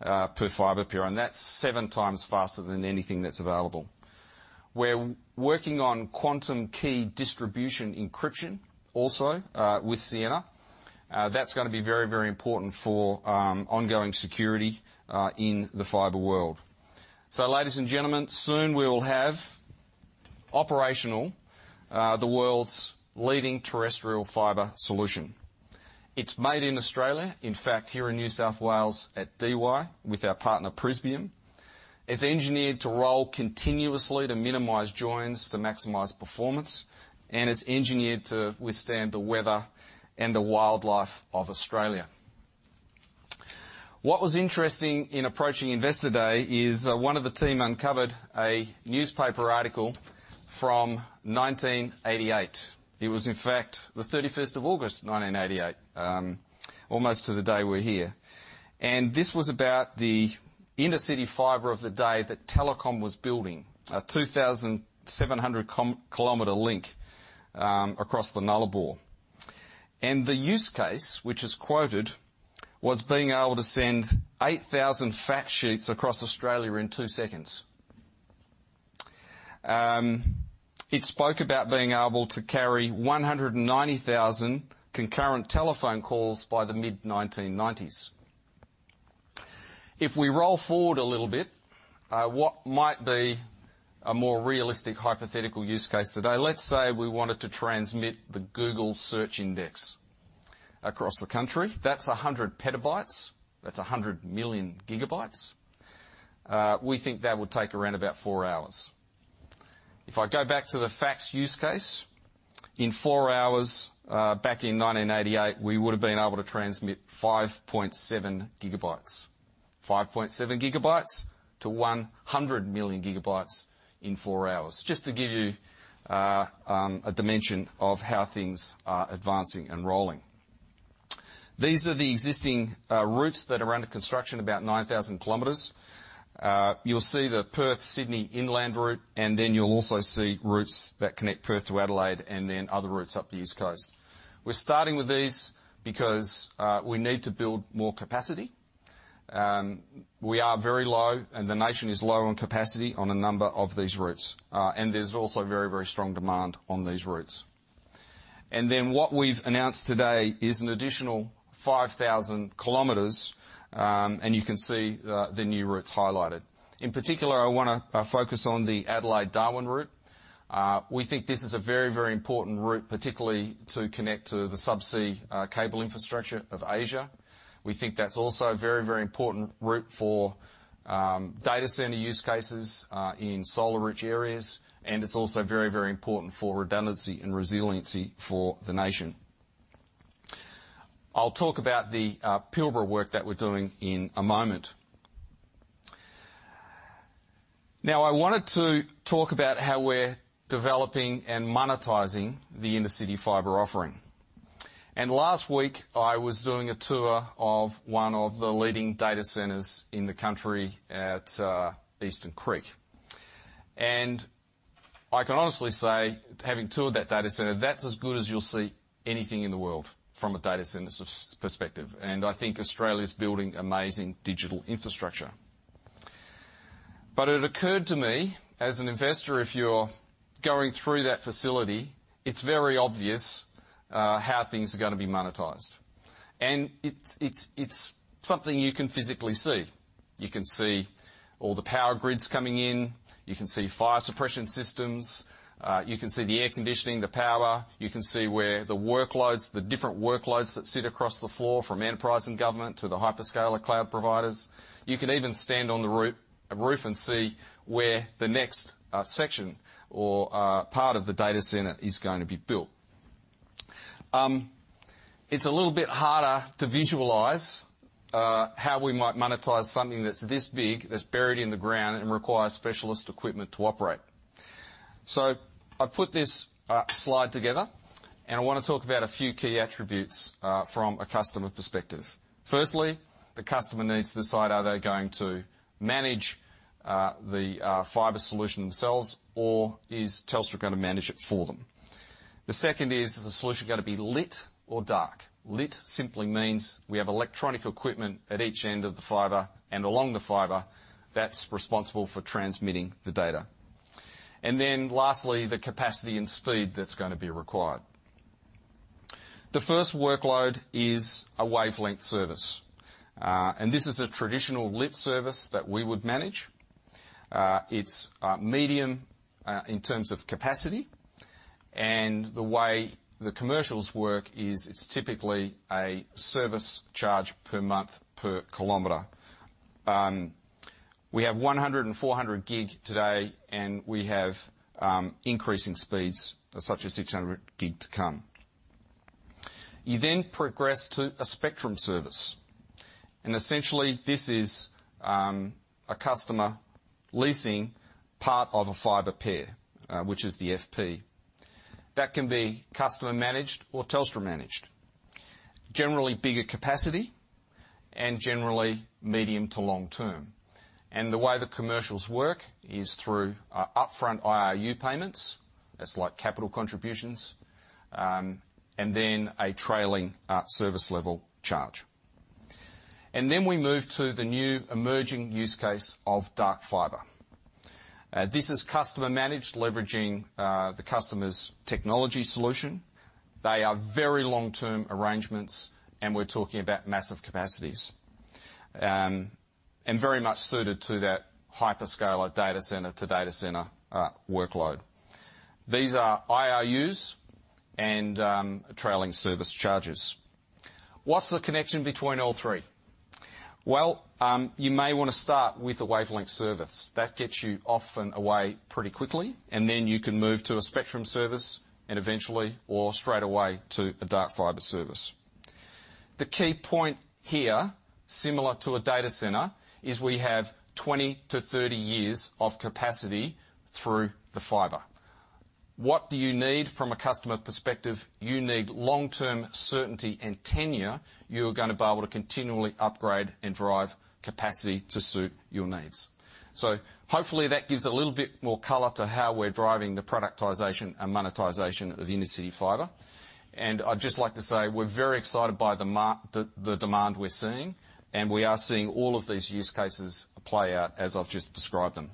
C: per fiber pair, and that's seven times faster than anything that's available. We're working on quantum key distribution encryption also with Ciena. That's gonna be very, very important for ongoing security in the fiber world. So ladies and gentlemen, soon we will have operational the world's leading terrestrial fiber solution. It's made in Australia, in fact, here in New South Wales at Dee Why, with our partner, Prysmian. It's engineered to roll continuously to minimize joins, to maximize performance, and it's engineered to withstand the weather and the wildlife of Australia. What was interesting in approaching Investor Day is, one of the team uncovered a newspaper article from 1988. It was, in fact, the 31st of August, 1988, almost to the day we're here, and this was about the Intercity Fibre of the day that Telecom was building, a 2,700-kilometer link, across the Nullarbor. The use case, which is quoted, was being able to send 8,000 fact sheets across Australia in two seconds. It spoke about being able to carry 190,000 concurrent telephone calls by the mid-1990s. If we roll forward a little bit, what might be a more realistic hypothetical use case today? Let's say we wanted to transmit the Google search index across the country. That's 100 petabytes. That's 100 million gigabytes. We think that would take around about four hours. If I go back to the fax use case, in four hours, back in 1988, we would've been able to transmit 5.7 GB. 5.7 GB to 100 million gigabytes in four hours, just to give you a dimension of how things are advancing and rolling. These are the existing routes that are under construction, about 9,000 km. You'll see the Perth-Sydney inland route, and then you'll also see routes that connect Perth to Adelaide and then other routes up the East Coast. We're starting with these because we need to build more capacity. We are very low, and the nation is low on capacity on a number of these routes. And there's also very, very strong demand on these routes. And then what we've announced today is an additional 5,000 kilometers, and you can see the new routes highlighted. In particular, I wanna focus on the Adelaide-Darwin route. We think this is a very, very important route, particularly to connect to the sub-sea cable infrastructure of Asia. We think that's also a very, very important route for data center use cases in solar-rich areas, and it's also very, very important for redundancy and resiliency for the nation. I'll talk about the Pilbara work that we're doing in a moment. Now, I wanted to talk about how we're developing and monetizing the Intercity Fibre offering. And last week, I was doing a tour of one of the leading data centers in the country at Eastern Creek. And I can honestly say, having toured that data center, that's as good as you'll see anything in the world from a data center's perspective, and I think Australia's building amazing digital infrastructure. But it occurred to me, as an investor, if you're going through that facility, it's very obvious how things are gonna be monetized. And it's, it's, it's something you can physically see. You can see all the power grids coming in. You can see fire suppression systems. You can see the air conditioning, the power. You can see where the workloads, the different workloads that sit across the floor, from enterprise and government to the hyperscaler cloud providers. You can even stand on the roof and see where the next section or part of the data center is going to be built. It's a little bit harder to visualize how we might monetize something that's this big, that's buried in the ground and requires specialist equipment to operate. So I've put this slide together, and I wanna talk about a few key attributes from a customer perspective. Firstly, the customer needs to decide, are they going to manage the fiber solution themselves, or is Telstra gonna manage it for them? The second is, is the solution gonna be lit or dark? Lit simply means we have electronic equipment at each end of the fiber and along the fiber that's responsible for transmitting the data. And then lastly, the capacity and speed that's gonna be required. The first workload is a wavelength service, and this is a traditional lit service that we would manage. It's medium in terms of capacity, and the way the commercials work is it's typically a service charge per month, per kilometer. We have 100 gig and 400 gig today, and we have increasing speeds, such as 600 gig, to come. You then progress to a spectrum service, and essentially, this is a customer leasing part of a fiber pair, which is the FP. That can be customer-managed or Telstra-managed. Generally bigger capacity and generally medium to long term. And the way the commercials work is through upfront IRU payments, that's like capital contributions, and then a trailing service level charge. And then we move to the new emerging use case of dark fiber. This is customer-managed, leveraging the customer's technology solution. They are very long-term arrangements, and we're talking about massive capacities. And very much suited to that hyperscaler data center to data center workload. These are IRUs and trailing service charges. What's the connection between all three? You may want to start with a wavelength service. That gets you off and away pretty quickly, and then you can move to a spectrum service and eventually or straight away to a dark fiber service. The key point here, similar to a data center, is we have 20 years-30 years of capacity through the fiber. What do you need from a customer perspective? You need long-term certainty and tenure. You're going to be able to continually upgrade and drive capacity to suit your needs. So hopefully that gives a little bit more color to how we're driving the productization and monetization of Intercity Fibre. And I'd just like to say, we're very excited by the demand we're seeing, and we are seeing all of these use cases play out as I've just described them.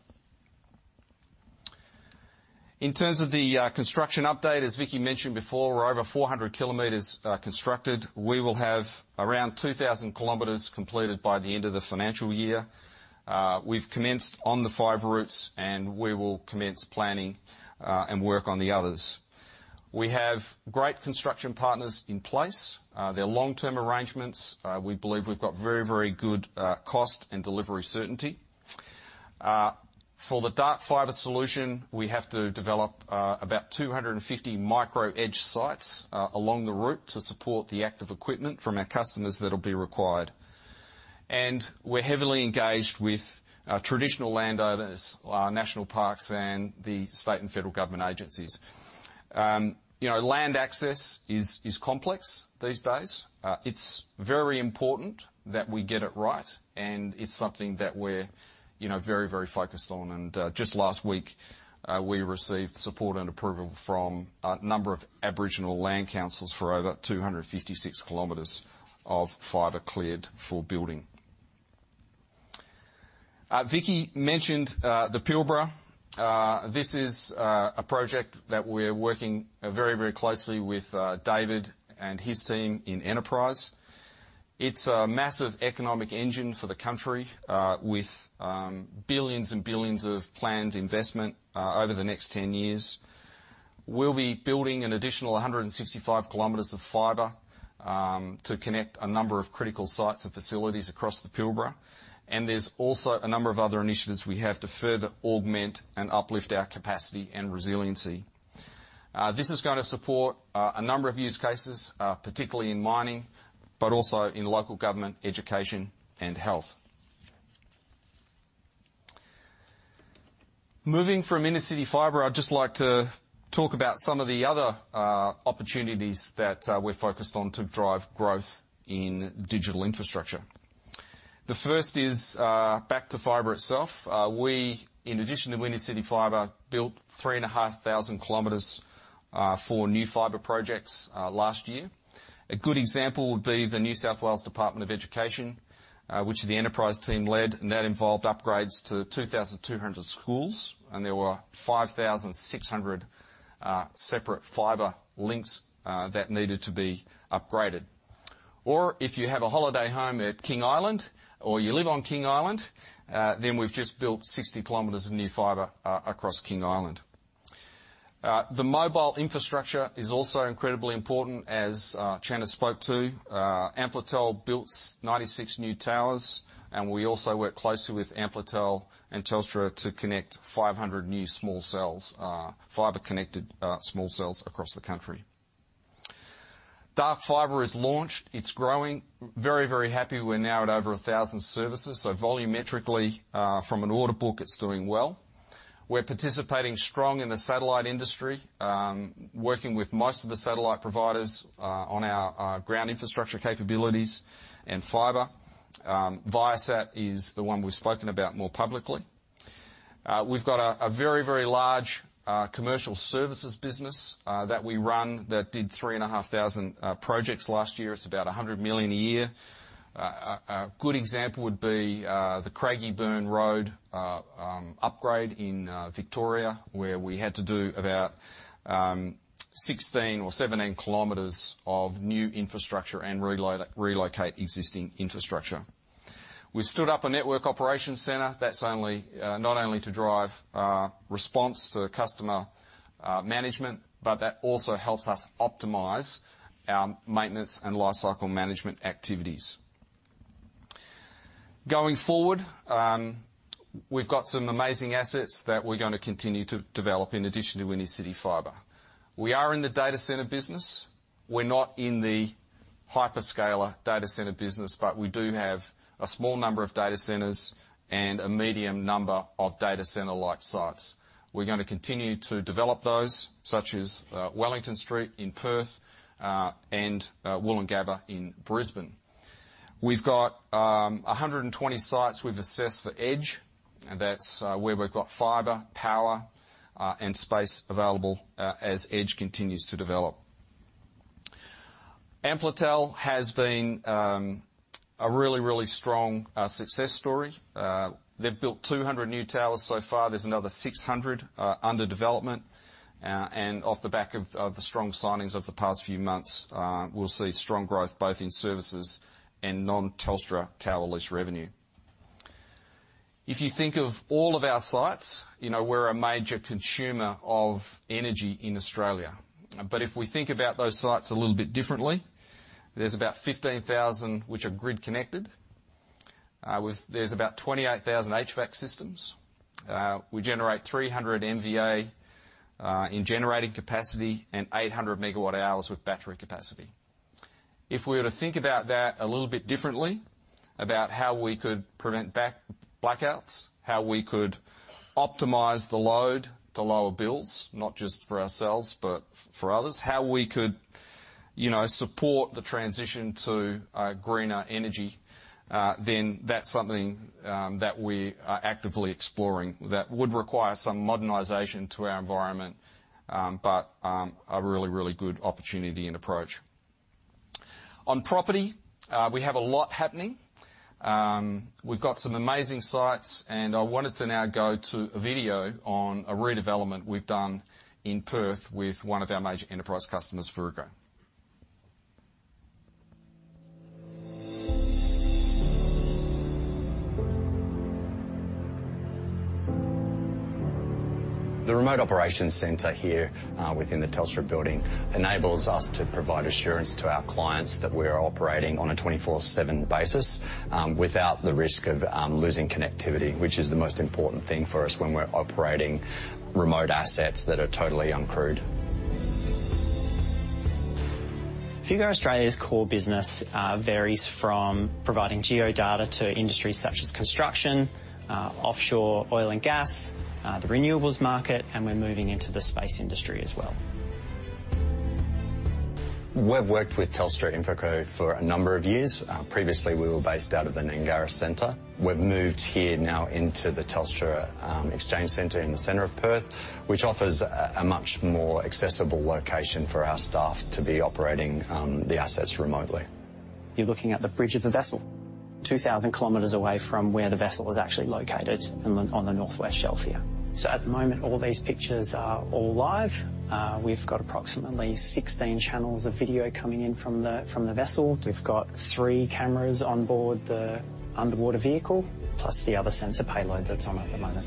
C: In terms of the construction update, as Vicki mentioned before, we're over 400 km constructed. We will have around 2,000 km completed by the end of the financial year. We've commenced on the fiber routes, and we will commence planning and work on the others. We have great construction partners in place. They're long-term arrangements. We believe we've got very, very good cost and delivery certainty. For the Dark Fiber solution, we have to develop about 250 micro edge sites along the route to support the active equipment from our customers that'll be required. We're heavily engaged with traditional landowners, national parks, and the state and federal government agencies. You know, land access is complex these days. It's very important that we get it right, and it's something that we're, you know, very, very focused on. And just last week, we received support and approval from a number of Aboriginal land councils for over 256 km of fiber cleared for building. Vicki mentioned the Pilbara. This is a project that we're working very, very closely with David and his team in Enterprise. It's a massive economic engine for the country, with billions and billions of planned investment over the next 10 years. We'll be building an additional 165 km of fiber to connect a number of critical sites and facilities across the Pilbara, and there's also a number of other initiatives we have to further augment and uplift our capacity and resiliency. This is going to support a number of use cases, particularly in mining, but also in local government, education, and health. Moving from Intercity Fibre, I'd just like to talk about some of the other opportunities that we're focused on to drive growth in digital infrastructure. The first is back to fiber itself. We, in addition to Intercity Fibre, built 3,500 km for new fiber projects last year. A good example would be the New South Wales Department of Education, which the enterprise team led, and that involved upgrades to 2,200 schools, and there were 5,600 separate fiber links that needed to be upgraded. Or if you have a holiday home at King Island or you live on King Island, then we've just built 60 km of new fiber across King Island. The mobile infrastructure is also incredibly important, as Channa spoke to. Amplitel built 96 new towers, and we also work closely with Amplitel and Telstra to connect 500 new small cells, fiber-connected small cells across the country. Dark fiber is launched. It's growing. Very, very happy we're now at over 1,000 services, so volumetrically, from an order book, it's doing well. We're participating strong in the satellite industry, working with most of the satellite providers, on our, our ground infrastructure capabilities and fiber. Viasat is the one we've spoken about more publicly. We've got a, a, a very, very large, commercial services business, that we run that did 3,500 projects last year. It's about 100 million a year. A, a, a good example would be, the Craigieburn Road upgrade in Victoria, where we had to do about 16 km or 17 km of new infrastructure and relocate existing infrastructure. We stood up a network operations center. That's only... Not only to drive response to customer management, but that also helps us optimize our maintenance and lifecycle management activities... Going forward, we've got some amazing assets that we're gonna continue to develop in addition to Intercity Fibre. We are in the data center business. We're not in the hyperscaler data center business, but we do have a small number of data centers and a medium number of data center-like sites. We're gonna continue to develop those, such as Wellington Street in Perth, and Woolloongabba in Brisbane. We've got 120 sites we've assessed for Edge, and that's where we've got fiber, power, and space available, as Edge continues to develop. Amplitel has been a really, really strong success story. They've built 200 new towers so far. There's another 600 under development. And off the back of the strong signings of the past few months, we'll see strong growth both in services and non-Telstra tower lease revenue. If you think of all of our sites, you know, we're a major consumer of energy in Australia. But if we think about those sites a little bit differently, there's about 15,000 which are grid connected. With 28,000 HVAC systems. We generate 300 MVA in generating capacity and 800 MWh with battery capacity. If we were to think about that a little bit differently, about how we could prevent blackouts, how we could optimize the load to lower bills, not just for ourselves, but for others, how we could, you know, support the transition to greener energy, then that's something that we are actively exploring that would require some modernization to our environment. But a really, really good opportunity and approach. On property, we have a lot happening. We've got some amazing sites, and I wanted to now go to a video on a redevelopment we've done in Perth with one of our major enterprise customers, Fugro.
D: The remote operations center here, within the Telstra building, enables us to provide assurance to our clients that we are operating on a 24/7 basis, without the risk of losing connectivity, which is the most important thing for us when we're operating remote assets that are totally uncrewed.
E: Fugro Australia's core business varies from providing geodata to industries such as construction, offshore oil and gas, the renewables market, and we're moving into the space industry as well.
D: We've worked with Telstra InfraCo for a number of years. Previously, we were based out of the Gnangara Center. We've moved here now into the Telstra Exchange Centre in the center of Perth, which offers a much more accessible location for our staff to be operating the assets remotely.
E: You're looking at the bridge of the vessel 2,000 km away from where the vessel is actually located on the, on the Northwest Shelf here. So at the moment, all these pictures are all live. We've got approximately 16 channels of video coming in from the, from the vessel. We've got three cameras on board the underwater vehicle, plus the other sensor payload that's on at the moment.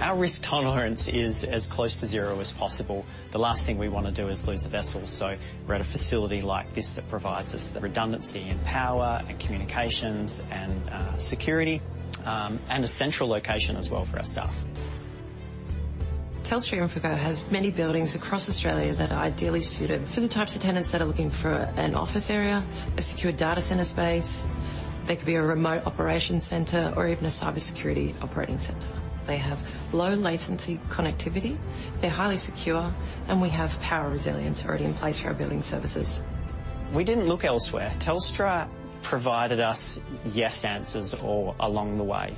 E: Our risk tolerance is as close to zero as possible. The last thing we want to do is lose a vessel, so we're at a facility like this that provides us the redundancy and power and communications and, security, and a central location as well for our staff.
F: Telstra InfraCo has many buildings across Australia that are ideally suited for the types of tenants that are looking for an office area, a secure data center space. They could be a remote operations center or even a cybersecurity operating center. They have low latency connectivity, they're highly secure, and we have power resilience already in place for our building services.
E: We didn't look elsewhere. Telstra provided us "yes" answers all along the way.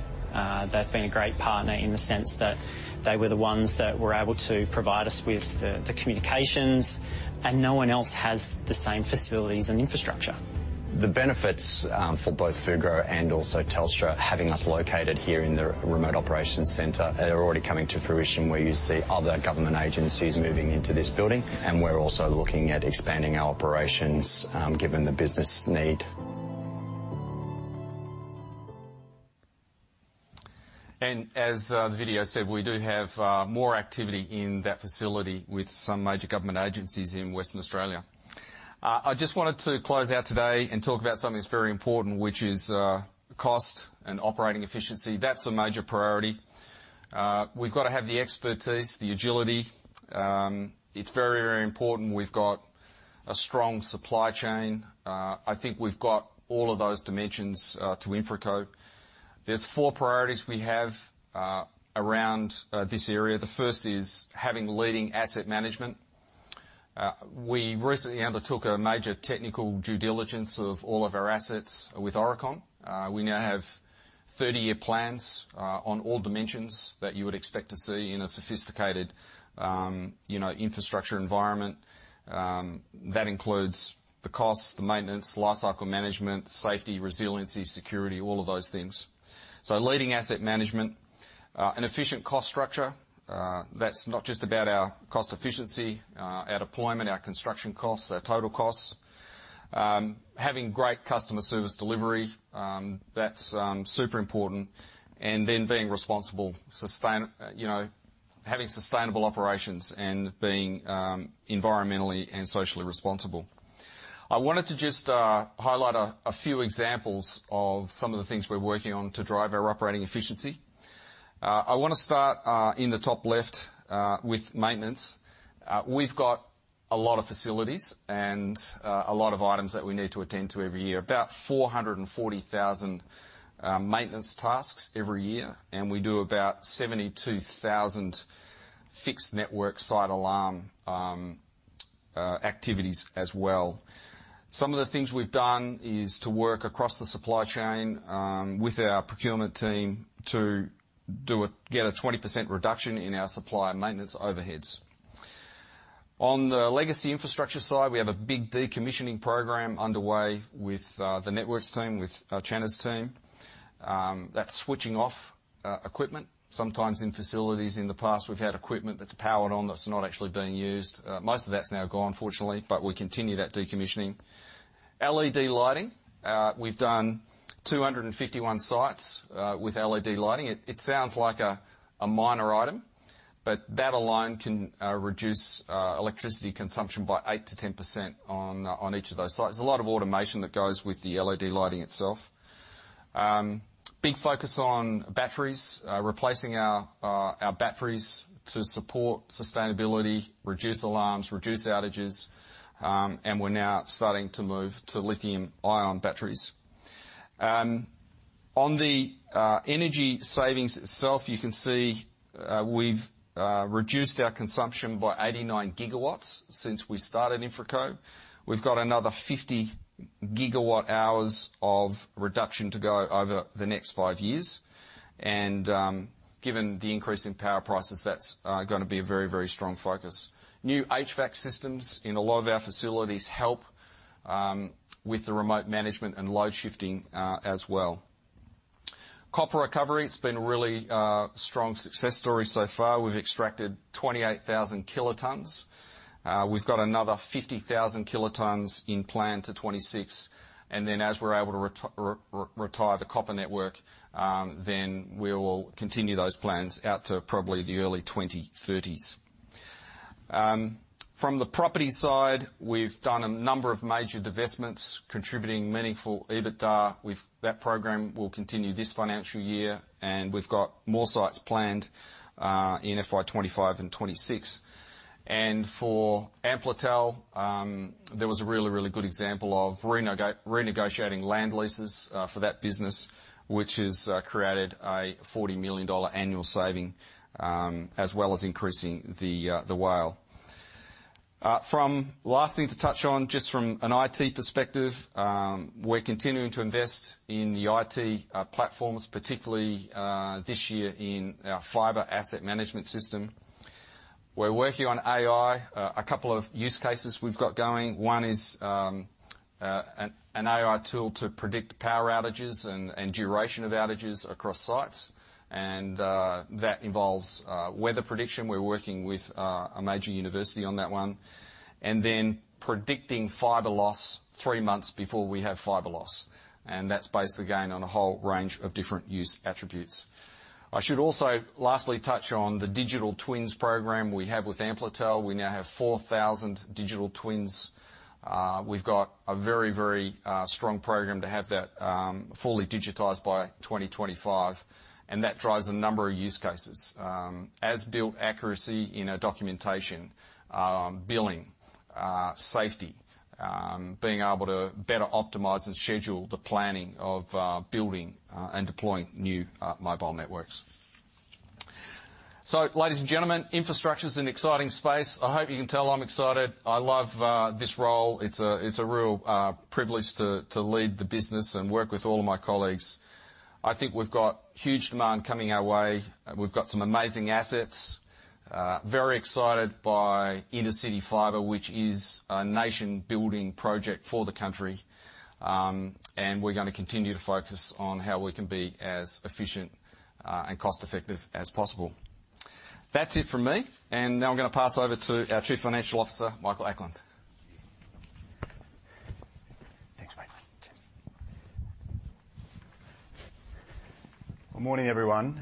E: They've been a great partner in the sense that they were the ones that were able to provide us with the, the communications, and no one else has the same facilities and infrastructure.
D: The benefits, for both Fugro and also Telstra, having us located here in the remote operations center, are already coming to fruition, where you see other government agencies moving into this building, and we're also looking at expanding our operations, given the business need.
C: As the video said, we do have more activity in that facility with some major government agencies in Western Australia. I just wanted to close out today and talk about something that's very important, which is cost and operating efficiency. That's a major priority. We've got to have the expertise, the agility. It's very, very important we've got a strong supply chain. I think we've got all of those dimensions to InfraCo. There's four priorities we have around this area. The first is having leading asset management. We recently undertook a major technical due diligence of all of our assets with Aurecon. We now have 30-year plans on all dimensions that you would expect to see in a sophisticated, you know, infrastructure environment. That includes the costs, the maintenance, life cycle management, safety, resiliency, security, all of those things. So leading asset management. An efficient cost structure. That's not just about our cost efficiency, our deployment, our construction costs, our total costs. Having great customer service delivery, that's super important. And then being responsible, you know, having sustainable operations and being environmentally and socially responsible. I wanted to just highlight a few examples of some of the things we're working on to drive our operating efficiency. I want to start in the top left with maintenance. We've got a lot of facilities and a lot of items that we need to attend to every year, about 440,000 maintenance tasks every year, and we do about 72,000 fixed network site alarm activities as well. Some of the things we've done is to work across the supply chain with our procurement team to get a 20% reduction in our supply and maintenance overheads. On the legacy infrastructure side, we have a big decommissioning program underway with the networks team, with Channa's team. That's switching off equipment. Sometimes in facilities in the past, we've had equipment that's powered on that's not actually being used. Most of that's now gone, fortunately, but we continue that decommissioning. LED lighting, we've done 251 sites with LED lighting. It sounds like a minor item, but that alone can reduce electricity consumption by 8%-10% on each of those sites. There's a lot of automation that goes with the LED lighting itself. Big focus on batteries, replacing our batteries to support sustainability, reduce alarms, reduce outages. And we're now starting to move to lithium-ion batteries. On the energy savings itself, you can see, we've reduced our consumption by 89 GW since we started InfraCo. We've got another 50 GWh of reduction to go over the next five years, and given the increase in power prices, that's going to be a very, very strong focus. New HVAC systems in a lot of our facilities help with the remote management and load shifting as well. Copper recovery, it's been a really, strong success story so far. We've extracted 28,000 kilotons. We've got another 50,000 kilotons in plan to 2026, and then as we're able to retire the copper network, then we will continue those plans out to probably the early 2030s. From the property side, we've done a number of major divestments, contributing meaningful EBITDA. That program will continue this financial year, and we've got more sites planned in FY 2025 and 2026. For Amplitel, there was a really, really good example of renegotiating land leases for that business, which has created a 40 million dollar annual saving, as well as increasing the, the WALE. From... Last thing to touch on, just from an IT perspective, we're continuing to invest in the IT platforms, particularly this year in our fiber asset management system. We're working on AI. A couple of use cases we've got going. One is an AI tool to predict power outages and duration of outages across sites, and that involves weather prediction. We're working with a major university on that one. And then predicting fiber loss three months before we have fiber loss, and that's based, again, on a whole range of different use attributes. I should also lastly touch on the digital twins program we have with Amplitel. We now have 4,000 digital twins. We've got a very, very strong program to have that fully digitized by 2025, and that drives a number of use cases. As-built accuracy in our documentation, billing, safety, being able to better optimize and schedule the planning of building and deploying new mobile networks. So ladies and gentlemen, infrastructure's an exciting space. I hope you can tell I'm excited. I love this role. It's a, it's a real privilege to lead the business and work with all of my colleagues. I think we've got huge demand coming our way. We've got some amazing assets. Very excited by Intercity Fibre, which is a nation-building project for the country. And we're going to continue to focus on how we can be as efficient and cost effective as possible. That's it from me, and now I'm going to pass over to our Chief Financial Officer, Michael Ackland. Thanks, mate.
G: Cheers. Good morning, everyone,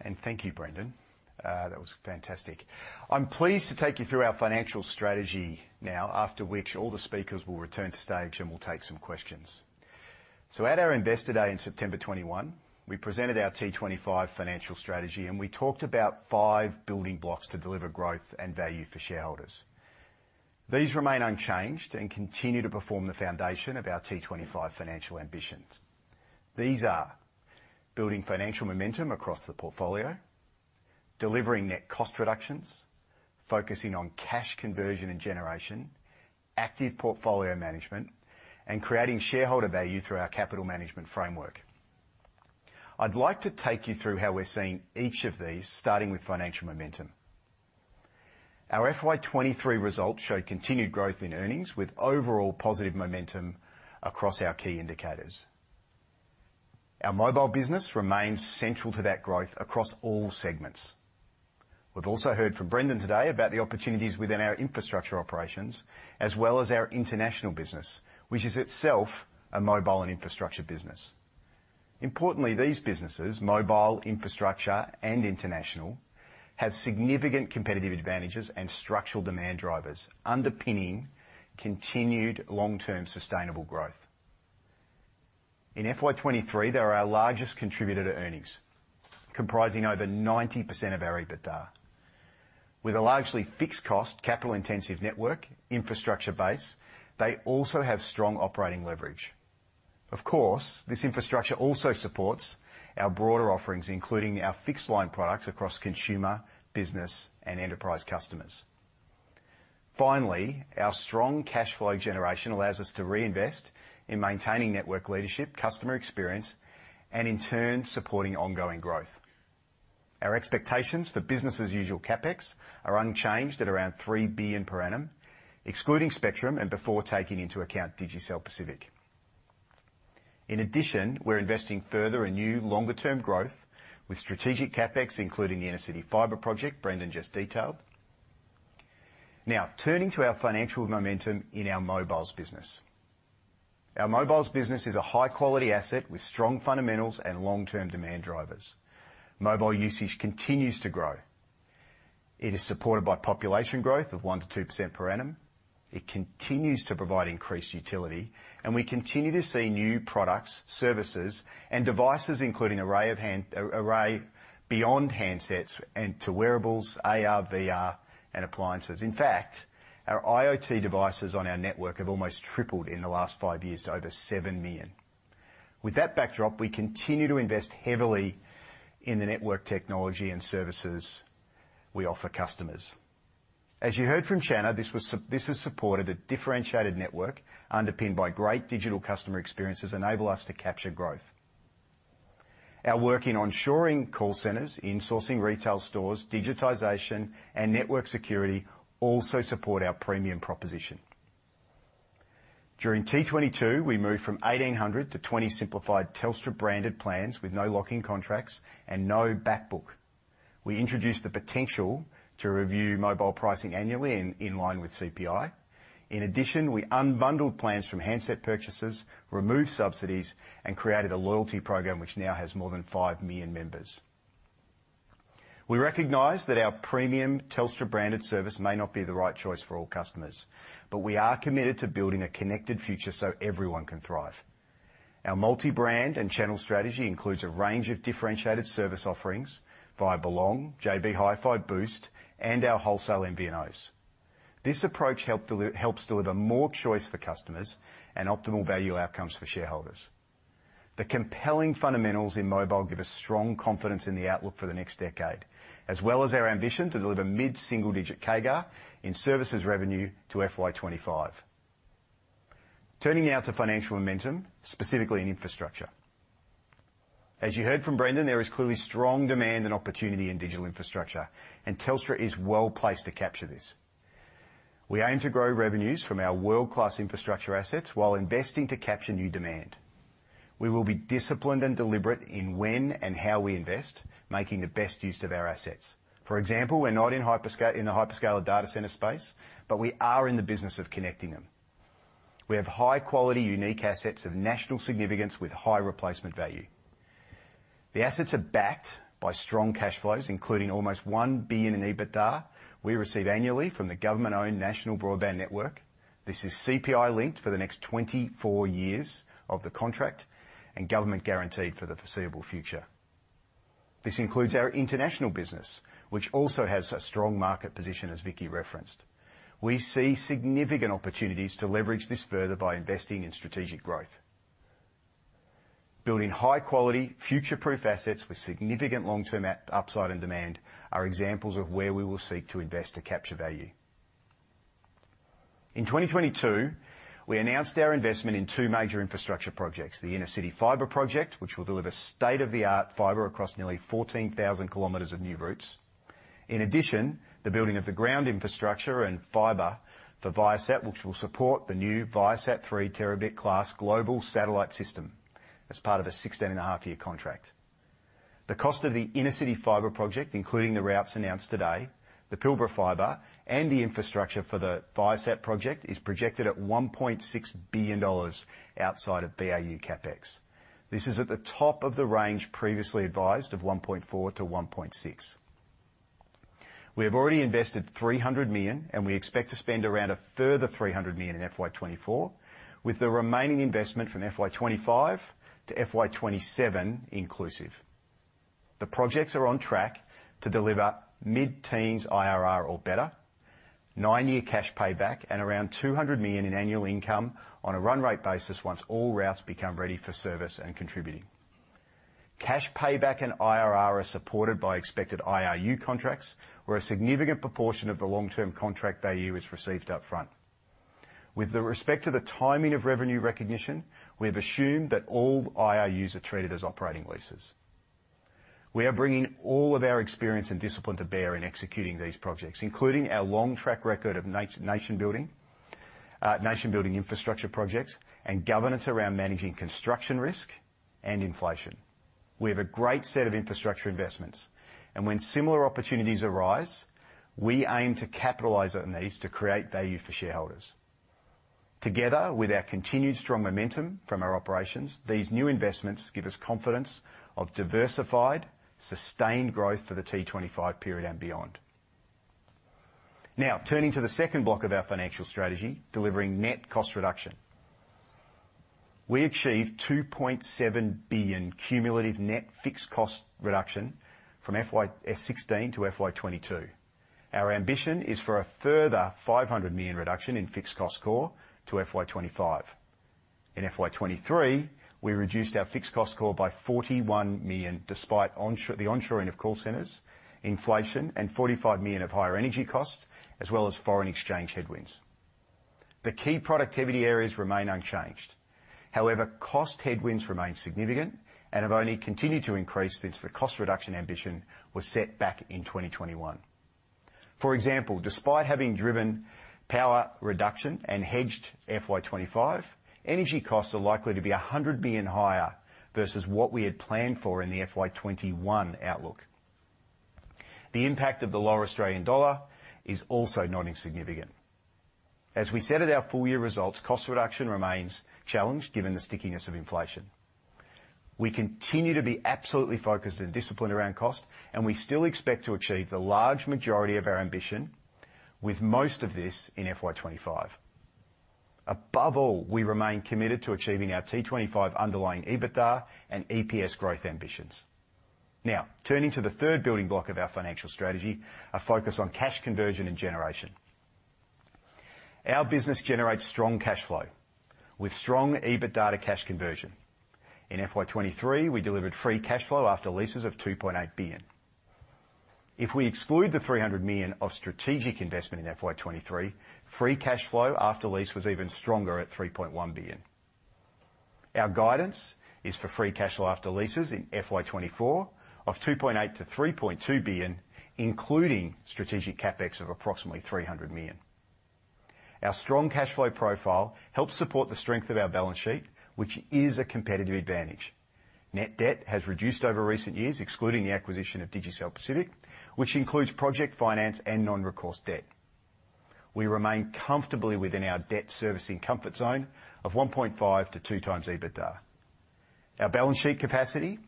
G: and thank you, Brendon. That was fantastic. I'm pleased to take you through our financial strategy now, after which all the speakers will return to stage, and we'll take some questions. So at our Investor Day in September 2021, we presented our T25 financial strategy, and we talked about five building blocks to deliver growth and value for shareholders. These remain unchanged and continue to form the foundation of our T25 financial ambitions. These are building financial momentum across the portfolio, delivering net cost reductions, focusing on cash conversion and generation, active portfolio management, and creating shareholder value through our capital management framework. I'd like to take you through how we're seeing each of these, starting with financial momentum. Our FY 2023 results show continued growth in earnings, with overall positive momentum across our key indicators. Our mobile business remains central to that growth across all segments.... We've also heard from Brendon today about the opportunities within our infrastructure operations, as well as our international business, which is itself a mobile and infrastructure business. Importantly, these businesses, mobile, infrastructure, and international, have significant competitive advantages and structural demand drivers underpinning continued long-term sustainable growth. In FY23, they were our largest contributor to earnings, comprising over 90% of our EBITDA. With a largely fixed cost, capital-intensive network infrastructure base, they also have strong operating leverage. Of course, this infrastructure also supports our broader offerings, including our fixed line products across consumer, business, and enterprise customers. Finally, our strong cash flow generation allows us to reinvest in maintaining network leadership, customer experience, and in turn, supporting ongoing growth. Our expectations for business-as-usual CapEx are unchanged at around 3 billion per annum, excluding spectrum and before taking into account Digicel Pacific. In addition, we're investing further in new, longer-term growth with strategic CapEx, including Intercity Fibre project brendon just detailed. Now, turning to our financial momentum in our mobiles business. Our mobiles business is a high-quality asset with strong fundamentals and long-term demand drivers. Mobile usage continues to grow. It is supported by population growth of 1%-2% per annum. It continues to provide increased utility, and we continue to see new products, services, and devices, including array beyond handsets and to wearables, AR, VR, and appliances. In fact, our IoT devices on our network have almost tripled in the last five years to over 7 million. With that backdrop, we continue to invest heavily in the network technology and services we offer customers. As you heard from Channa, this has supported a differentiated network, underpinned by great digital customer experiences, enable us to capture growth. Our work in onshoring call centers, in sourcing retail stores, digitization, and network security also support our premium proposition. During T22, we moved from 1,800 to 20 simplified Telstra-branded plans with no lock-in contracts and no back book. We introduced the potential to review mobile pricing annually in line with CPI. In addition, we unbundled plans from handset purchases, removed subsidies, and created a loyalty program, which now has more than 5 million members. We recognize that our premium Telstra-branded service may not be the right choice for all customers, but we are committed to building a connected future so everyone can thrive. Our multi-brand and channel strategy includes a range of differentiated service offerings via Belong, JB Hi-Fi, Boost, and our wholesale MVNOs. This approach helps deliver more choice for customers and optimal value outcomes for shareholders. The compelling fundamentals in mobile give us strong confidence in the outlook for the next decade, as well as our ambition to deliver mid-single-digit CAGR in services revenue to FY25. Turning now to financial momentum, specifically in infrastructure. As you heard from Brendon, there is clearly strong demand and opportunity in digital infrastructure, and Telstra is well placed to capture this. We aim to grow revenues from our world-class infrastructure assets while investing to capture new demand. We will be disciplined and deliberate in when and how we invest, making the best use of our assets. For example, we're not in hyperscaler data center space, but we are in the business of connecting them. We have high quality, unique assets of national significance with high replacement value. The assets are backed by strong cash flows, including almost 1 billion in EBITDA we receive annually from the government-owned National Broadband Network. This is CPI linked for the next 24 years of the contract, and government guaranteed for the foreseeable future. This includes our international business, which also has a strong market position, as Vicki referenced. We see significant opportunities to leverage this further by investing in strategic growth. Building high quality, future-proof assets with significant long-term upside and demand are examples of where we will seek to invest to capture value. In 2022, we announced our investment in two major infrastructure projects: the Intercity Fibre project, which will deliver state-of-the-art fiber across nearly 14,000 km of new routes. In addition, the building of the ground infrastructure and fiber for Viasat, which will support the new Viasat-3 terabit-class global satellite system as part of a 16.5-year contract. The cost of the Intercity Fibre project, including the routes announced today, the Pilbara fiber, and the infrastructure for the Viasat project, is projected at 1.6 billion dollars outside of BAU CapEx. This is at the top of the range previously advised of 1.4 billion-1.6 billion. We have already invested 300 million, and we expect to spend around a further 300 million in FY24, with the remaining investment from FY25 to FY27 inclusive. The projects are on track to deliver mid-teens IRR or better, nine-year cash payback, and around 200 million in annual income on a run rate basis once all routes become ready for service and contributing. Cash payback and IRR are supported by expected IRU contracts, where a significant proportion of the long-term contract value is received upfront. With respect to the timing of revenue recognition, we have assumed that all IRUs are treated as operating leases. We are bringing all of our experience and discipline to bear in executing these projects, including our long track record of nation building infrastructure projects and governance around managing construction risk and inflation. We have a great set of infrastructure investments, and when similar opportunities arise, we aim to capitalize on these to create value for shareholders. Together, with our continued strong momentum from our operations, these new investments give us confidence of diversified, sustained growth for the T25 period and beyond. Now, turning to the second block of our financial strategy: delivering net cost reduction. We achieved 2.7 billion cumulative net fixed cost reduction from FY 2016 to FY 2022. Our ambition is for a further 500 million reduction in fixed cost core to FY 2025. In FY 2023, we reduced our fixed cost core by 41 million, despite the onshoring of call centers, inflation, and 45 million of higher energy costs, as well as foreign exchange headwinds. The key productivity areas remain unchanged. However, cost headwinds remain significant and have only continued to increase since the cost reduction ambition was set back in 2021. For example, despite having driven power reduction and hedged FY25, energy costs are likely to be 100 billion higher versus what we had planned for in the FY21 outlook. The impact of the lower Australian dollar is also not insignificant. As we said at our full year results, cost reduction remains challenged given the stickiness of inflation. We continue to be absolutely focused and disciplined around cost, and we still expect to achieve the large majority of our ambition, with most of this in FY25. Above all, we remain committed to achieving our T25 underlying EBITDA and EPS growth ambitions. Now, turning to the third building block of our financial strategy, a focus on cash conversion and generation. Our business generates strong cash flow with strong EBITDA to cash conversion. In FY23, we delivered free cash flow after leases of AUD 2.8 billion. If we exclude the AUD 300 million of strategic investment in FY 2023, free cash flow after lease was even stronger at AUD 3.1 billion. Our guidance is for free cash flow after leases in FY 2024 of 2.8 billion-3.2 billion, including strategic CapEx of approximately 300 million. Our strong cash flow profile helps support the strength of our balance sheet, which is a competitive advantage. Net debt has reduced over recent years, excluding the acquisition of Digicel Pacific, which includes project finance and non-recourse debt. We remain comfortably within our debt servicing comfort zone of 1.5-2 times EBITDA. Our balance sheet capacity,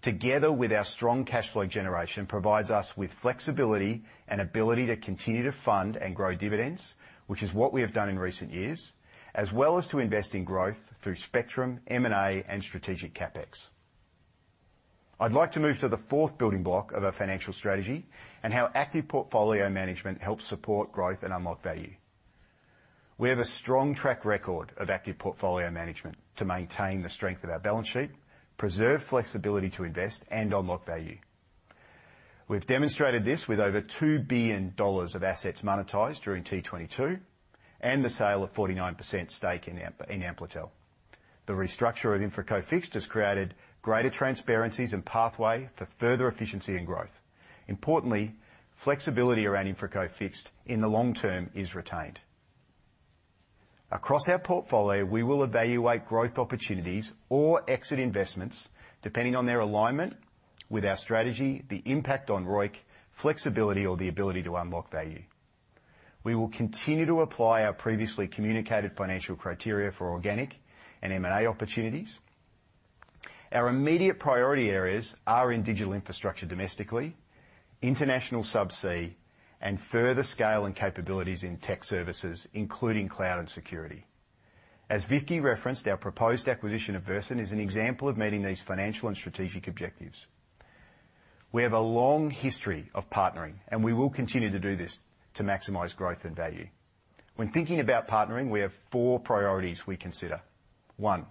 G: together with our strong cash flow generation, provides us with flexibility and ability to continue to fund and grow dividends, which is what we have done in recent years, as well as to invest in growth through spectrum, M&A, and strategic CapEx. I'd like to move to the fourth building block of our financial strategy and how active portfolio management helps support growth and unlock value. We have a strong track record of active portfolio management to maintain the strength of our balance sheet, preserve flexibility to invest, and unlock value. We've demonstrated this with over 2 billion dollars of assets monetized during T22, and the sale of 49% stake in Amplitel. The restructure of InfraCo Fixed has created greater transparency and pathway for further efficiency and growth. Importantly, flexibility around InfraCo Fixed in the long term is retained. Across our portfolio, we will evaluate growth opportunities or exit investments, depending on their alignment with our strategy, the impact on ROIC, flexibility, or the ability to unlock value. We will continue to apply our previously communicated financial criteria for organic and M&A opportunities. Our immediate priority areas are in digital infrastructure domestically, international subsea, and further scale and capabilities in tech services, including cloud and security. As Vicki referenced, our proposed acquisition of Versent is an example of meeting these financial and strategic objectives. We have a long history of partnering, and we will continue to do this to maximize growth and value. When thinking about partnering, we have four priorities we consider. One,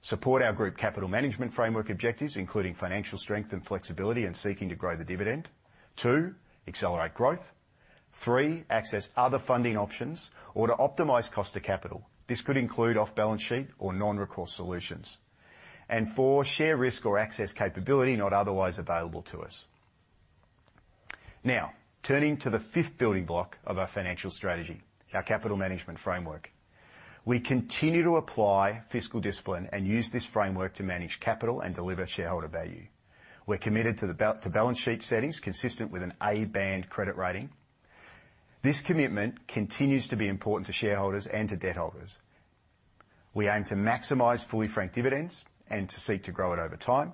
G: support our group capital management framework objectives, including financial strength and flexibility in seeking to grow the dividend. Two, accelerate growth. Three, access other funding options or to optimize cost of capital. This could include off-balance sheet or non-recourse solutions. And 4, share risk or access capability not otherwise available to us. Now, turning to the 5th building block of our financial strategy, our capital management framework. We continue to apply fiscal discipline and use this framework to manage capital and deliver shareholder value. We're committed to the balance sheet settings consistent with an A-band credit rating. This commitment continues to be important to shareholders and to debt holders. We aim to maximize fully franked dividends and to seek to grow it over time.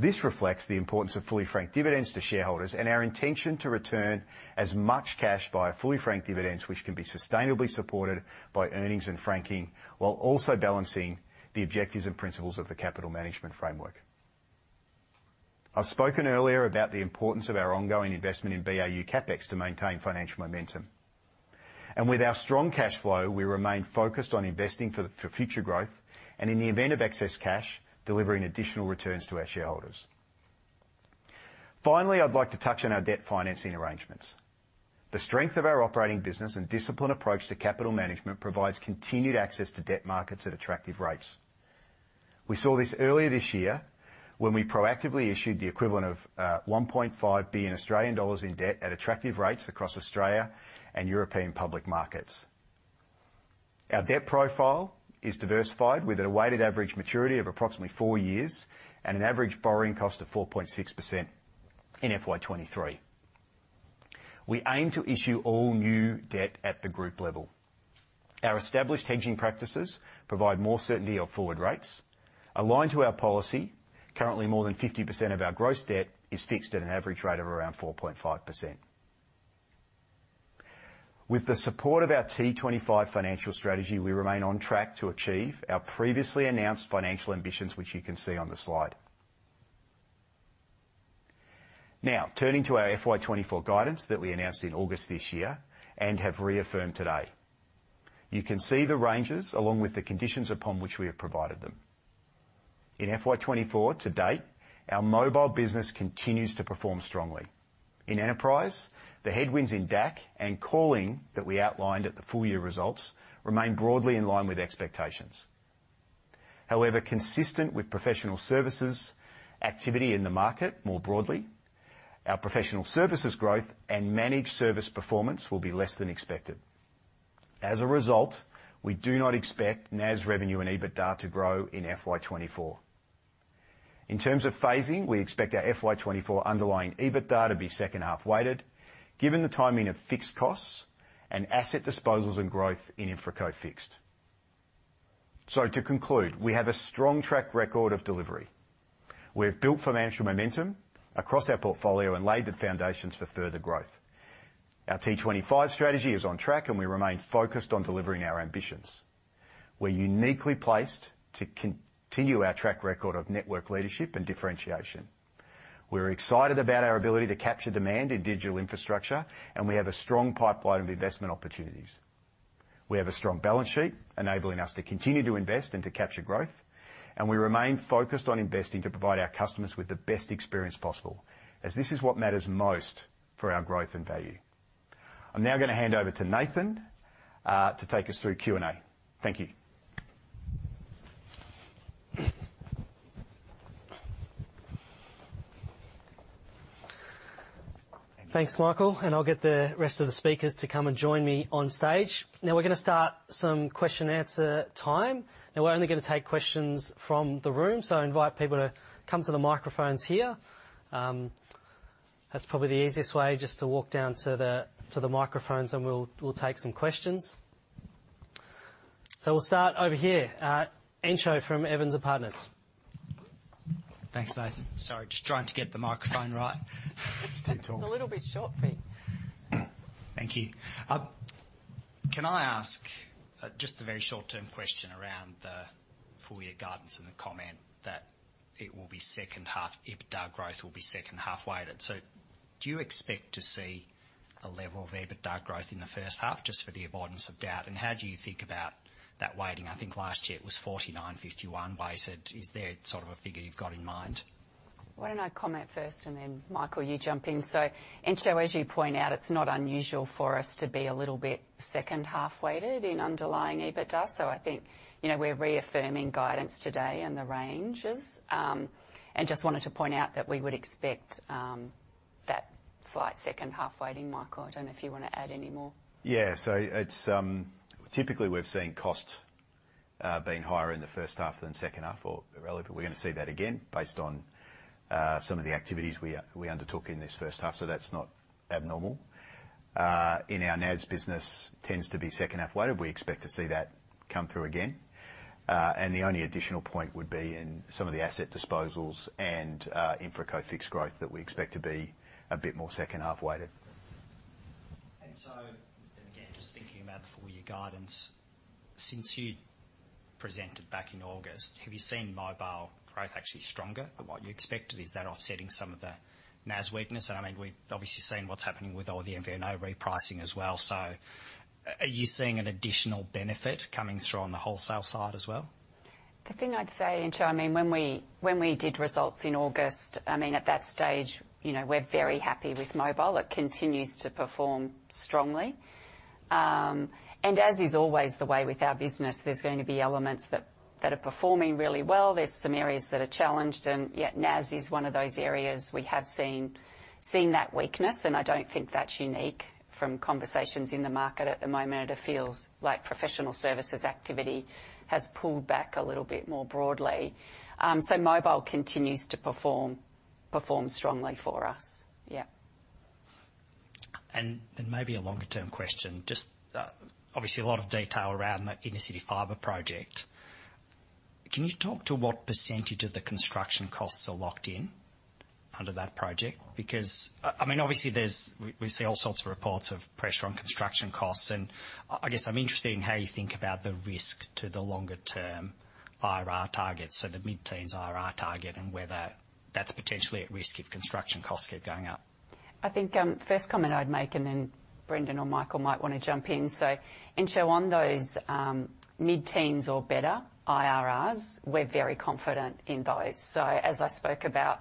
G: This reflects the importance of fully franked dividends to shareholders, and our intention to return as much cash via fully franked dividends, which can be sustainably supported by earnings and franking, while also balancing the objectives and principles of the capital management framework. I've spoken earlier about the importance of our ongoing investment in BAU CapEx to maintain financial momentum. With our strong cash flow, we remain focused on investing for future growth, and in the event of excess cash, delivering additional returns to our shareholders. Finally, I'd like to touch on our debt financing arrangements. The strength of our operating business and disciplined approach to capital management provides continued access to debt markets at attractive rates. We saw this earlier this year, when we proactively issued the equivalent of 1.5 billion Australian dollars in debt at attractive rates across Australia and European public markets. Our debt profile is diversified, with a weighted average maturity of approximately four years and an average borrowing cost of 4.6% in FY 2023. We aim to issue all new debt at the group level. Our established hedging practices provide more certainty of forward rates. Aligned to our policy, currently, more than 50% of our gross debt is fixed at an average rate of around 4.5%. With the support of our T25 financial strategy, we remain on track to achieve our previously announced financial ambitions, which you can see on the slide. Now, turning to our FY 2024 guidance that we announced in August this year and have reaffirmed today. You can see the ranges, along with the conditions upon which we have provided them. In FY 2024 to date, our mobile business continues to perform strongly. In enterprise, the headwinds in DAC and calling, that we outlined at the full year results, remain broadly in line with expectations. However, consistent with professional services activity in the market more broadly, our professional services growth and managed service performance will be less than expected. As a result, we do not expect NAS revenue and EBITDA to grow in FY 2024. In terms of phasing, we expect our FY 2024 underlying EBITDA to be second half weighted, given the timing of fixed costs and asset disposals and growth in InfraCo Fixed. So to conclude, we have a strong track record of delivery. We've built financial momentum across our portfolio and laid the foundations for further growth. Our T25 strategy is on track, and we remain focused on delivering our ambitions. We're uniquely placed to continue our track record of network leadership and differentiation. We're excited about our ability to capture demand in digital infrastructure, and we have a strong pipeline of investment opportunities. We have a strong balance sheet, enabling us to continue to invest and to capture growth, and we remain focused on investing to provide our customers with the best experience possible, as this is what matters most for our growth and value. I'm now gonna hand over to Nathan, to take us through Q&A. Thank you.
H: Thanks, Michael, and I'll get the rest of the speakers to come and join me on stage. Now, we're gonna start some question-and-answer time. Now, we're only gonna take questions from the room, so I invite people to come to the microphones here. That's probably the easiest way, just to walk down to the microphones, and we'll take some questions. So we'll start over here. Entcho from Evans & Partners.
I: Thanks, Nathan. Sorry, just trying to get the microphone right. Just too tall.
A: It's a little bit short for you.
I: Thank you. Can I ask just a very short-term question around the full year guidance and the comment that it will be second half... EBITDA growth will be second half weighted. So do you expect to see a level of EBITDA growth in the first half, just for the avoidance of doubt, and how do you think about that weighting? I think last year it was 49, 51 weighted. Is there sort of a figure you've got in mind?
A: Why don't I comment first, and then Michael, you jump in. So, Entcho, as you point out, it's not unusual for us to be a little bit second half weighted in underlying EBITDA, so I think, you know, we're reaffirming guidance today and the ranges. And just wanted to point out that we would expect that slight second half weighting. Michael, I don't know if you want to add any more.
G: Yeah, so it's typically we've seen costs being higher in the first half than second half, or relatively. We're gonna see that again based on some of the activities we undertook in this first half, so that's not abnormal. In our NAS business, tends to be second half weighted. We expect to see that come through again. The only additional point would be in some of the asset disposals and InfraCo Fixed growth that we expect to be a bit more second half weighted.
I: So, again, just thinking about the full year guidance, since you presented back in August, have you seen mobile growth actually stronger than what you expected? Is that offsetting some of the NAS weakness? And I mean, we've obviously seen what's happening with all the MVNO repricing as well. So are you seeing an additional benefit coming through on the wholesale side as well?
A: The thing I'd say, Entcho, I mean, when we did results in August, I mean, at that stage, you know, we're very happy with mobile. It continues to perform strongly. And as is always the way with our business, there's going to be elements that are performing really well. There's some areas that are challenged, and yeah, NAS is one of those areas. We have seen that weakness, and I don't think that's unique from conversations in the market at the moment. It feels like professional services activity has pulled back a little bit more broadly. So mobile continues to perform strongly for us. Yeah.
I: And maybe a longer-term question, just obviously a lot of detail around the Intercity Fibre project. Can you talk to what percentage of the construction costs are locked in under that project? Because, I mean, obviously there's... We see all sorts of reports of pressure on construction costs, and I guess I'm interested in how you think about the risk to the longer-term IRR targets, so the mid-teens IRR target, and whether that's potentially at risk if construction costs keep going up....
A: I think, first comment I'd make, and then Brendan or Michael might want to jump in. So, in short, on those mid-teens or better IRRs, we're very confident in those. So as I spoke about,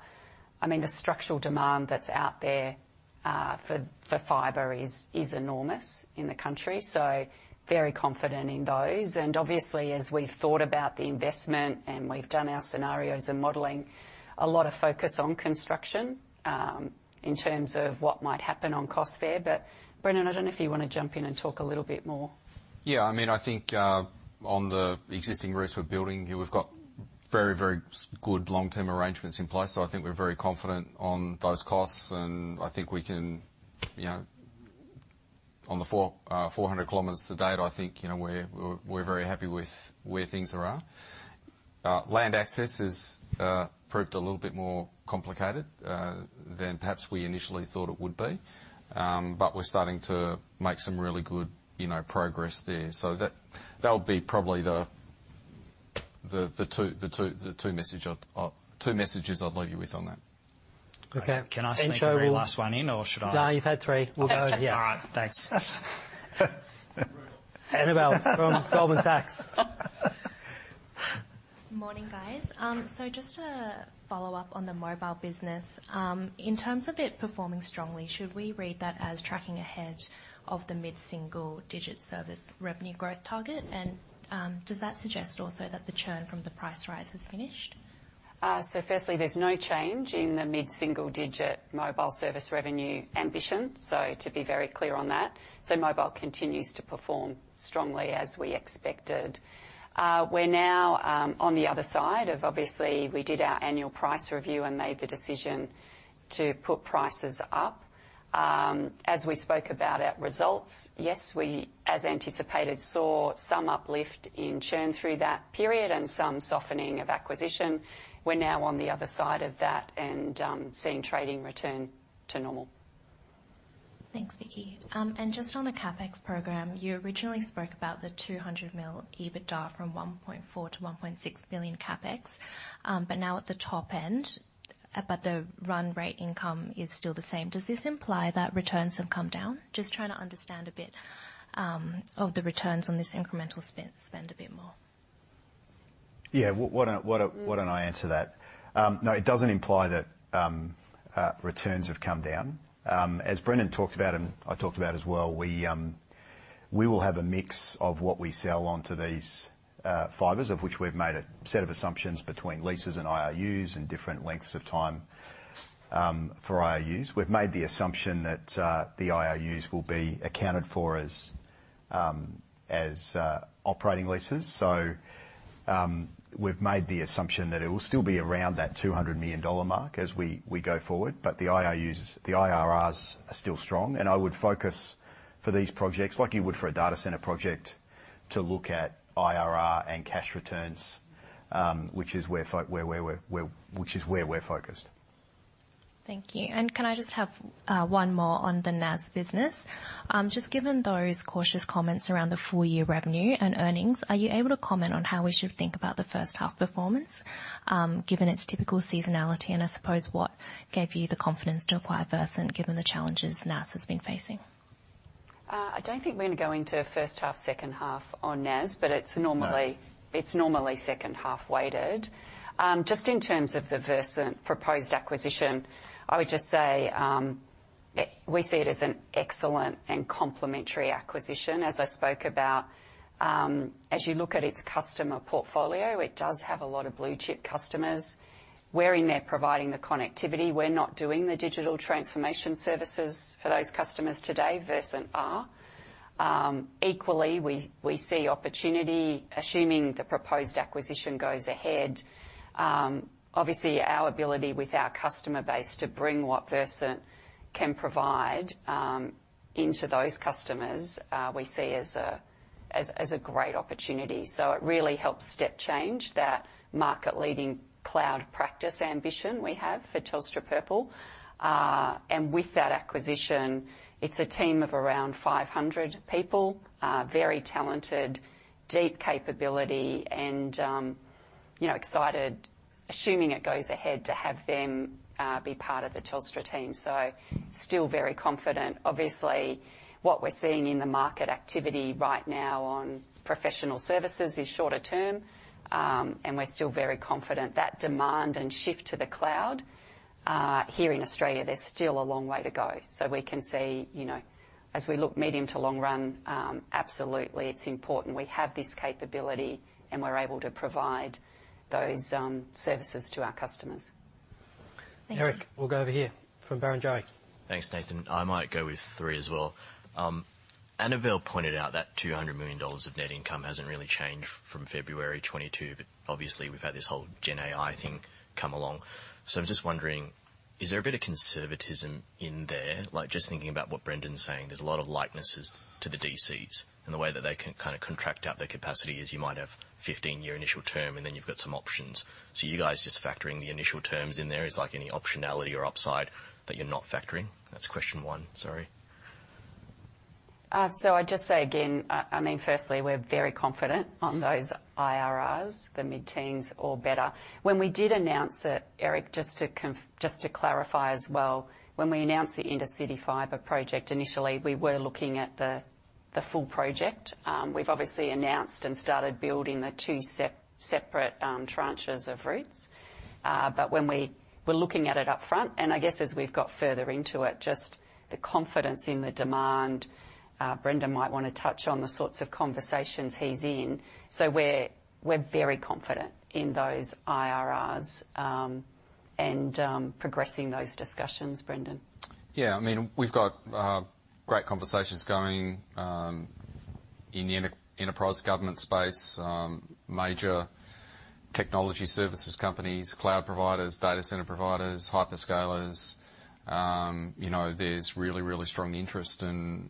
A: I mean, the structural demand that's out there for fiber is enormous in the country. So very confident in those. And obviously, as we've thought about the investment and we've done our scenarios and modeling, a lot of focus on construction in terms of what might happen on cost there. But Brendan, I don't know if you want to jump in and talk a little bit more.
C: Yeah, I mean, I think, on the existing routes we're building, we've got very, very good long-term arrangements in place. So I think we're very confident on those costs, and I think we can, you know, on the four, four hundred kilometers to date, I think, you know, we're very happy with where things are at. Land access has proved a little bit more complicated than perhaps we initially thought it would be. But we're starting to make some really good, you know, progress there. So that would be probably the two messages I'd leave you with on that.
A: Okay.
G: Can I sneak the very last one in, or should I-
A: No, you've had 3. We'll go... Yeah.
G: All right. Thanks.
A: Annabel from Goldman Sachs.
J: Morning, guys. Just to follow up on the mobile business. In terms of it performing strongly, should we read that as tracking ahead of the mid-single digit service revenue growth target? And, does that suggest also that the churn from the price rise has finished?
A: So firstly, there's no change in the mid-single digit mobile service revenue ambition. So to be very clear on that, so mobile continues to perform strongly as we expected. We're now on the other side of, obviously, we did our annual price review and made the decision to put prices up. As we spoke about our results, yes, we, as anticipated, saw some uplift in churn through that period and some softening of acquisition. We're now on the other side of that and seeing trading return to normal.
J: Thanks, Vicki. And just on the CapEx program, you originally spoke about the 200 million EBITDA from 1.4 billion-1.6 billion CapEx, but now at the top end, but the run rate income is still the same. Does this imply that returns have come down? Just trying to understand a bit of the returns on this incremental spend a bit more.
G: Yeah. Why don't I answer that? No, it doesn't imply that returns have come down. As Brendon talked about, and I talked about as well, we will have a mix of what we sell onto these fibers, of which we've made a set of assumptions between leases and IRUs and different lengths of time for IRUs. We've made the assumption that the IRUs will be accounted for as operating leases. So, we've made the assumption that it will still be around that 200 million dollar mark as we go forward. But the IRUs, the IRRs are still strong, and I would focus for these projects, like you would for a data center project, to look at IRR and cash returns, which is where we're focused.
J: Thank you. Can I just have one more on the NAS business? Just given those cautious comments around the full year revenue and earnings, are you able to comment on how we should think about the first half performance, given its typical seasonality? I suppose, what gave you the confidence to acquire Versent, given the challenges NAS has been facing?
A: I don't think we're going to go into a first half, second half on NAS, but it's normally-
G: No.
A: It's normally second half weighted. Just in terms of the Versent proposed acquisition, I would just say, we see it as an excellent and complementary acquisition. As I spoke about, as you look at its customer portfolio, it does have a lot of blue chip customers. We're in there providing the connectivity. We're not doing the digital transformation services for those customers today, Versent are. Equally, we see opportunity, assuming the proposed acquisition goes ahead, obviously, our ability with our customer base to bring what Versent can provide, into those customers, we see as a great opportunity. So it really helps step change that market-leading cloud practice ambition we have for Telstra Purple. And with that acquisition, it's a team of around 500 people, very talented, deep capability and, you know, excited, assuming it goes ahead, to have them, be part of the Telstra team. So still very confident. Obviously, what we're seeing in the market activity right now on professional services is shorter term. And we're still very confident that demand and shift to the cloud, here in Australia, there's still a long way to go. So we can see, you know, as we look medium to long run, absolutely, it's important we have this capability, and we're able to provide those, services to our customers.
J: Thank you.
H: Eric, we'll go over here from Barrenjoey.
C: Thanks, Nathan. I might go with three as well. Annabel pointed out that 200 million dollars of net income hasn't really changed from February 2022, but obviously we've had this whole GenAI thing come along. So I'm just wondering, is there a bit of conservatism in there? Like, just thinking about what Brendon's saying, there's a lot of likenesses to the DCs, and the way that they can kind of contract out their capacity is you might have 15-year initial term, and then you've got some options. So you guys just factoring the initial terms in there, is like any optionality or upside that you're not factoring? That's question one. Sorry....
A: So I'd just say again, I mean, firstly, we're very confident on those IRRs, the mid-teens or better. When we did announce it, Eric, just to clarify as well, when we announced the Intercity Fibre project, initially, we were looking at the full project. We've obviously announced and started building the two separate tranches of routes. But when we were looking at it upfront, and I guess as we've got further into it, just the confidence in the demand, Brendon might want to touch on the sorts of conversations he's in. So we're very confident in those IRRs, and progressing those discussions, Brendon.
C: Yeah, I mean, we've got great conversations going in the enterprise government space, major technology services companies, cloud providers, data center providers, hyperscalers. You know, there's really, really strong interest in...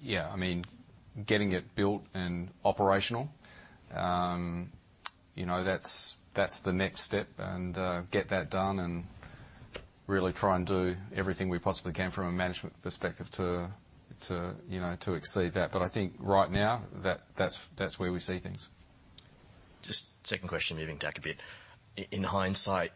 C: Yeah, I mean, getting it built and operational, you know, that's, that's the next step, and get that done and really try and do everything we possibly can from a management perspective to, to you know, to exceed that. But I think right now, that's, that's where we see things.
K: Just second question, maybe tack a bit. In hindsight,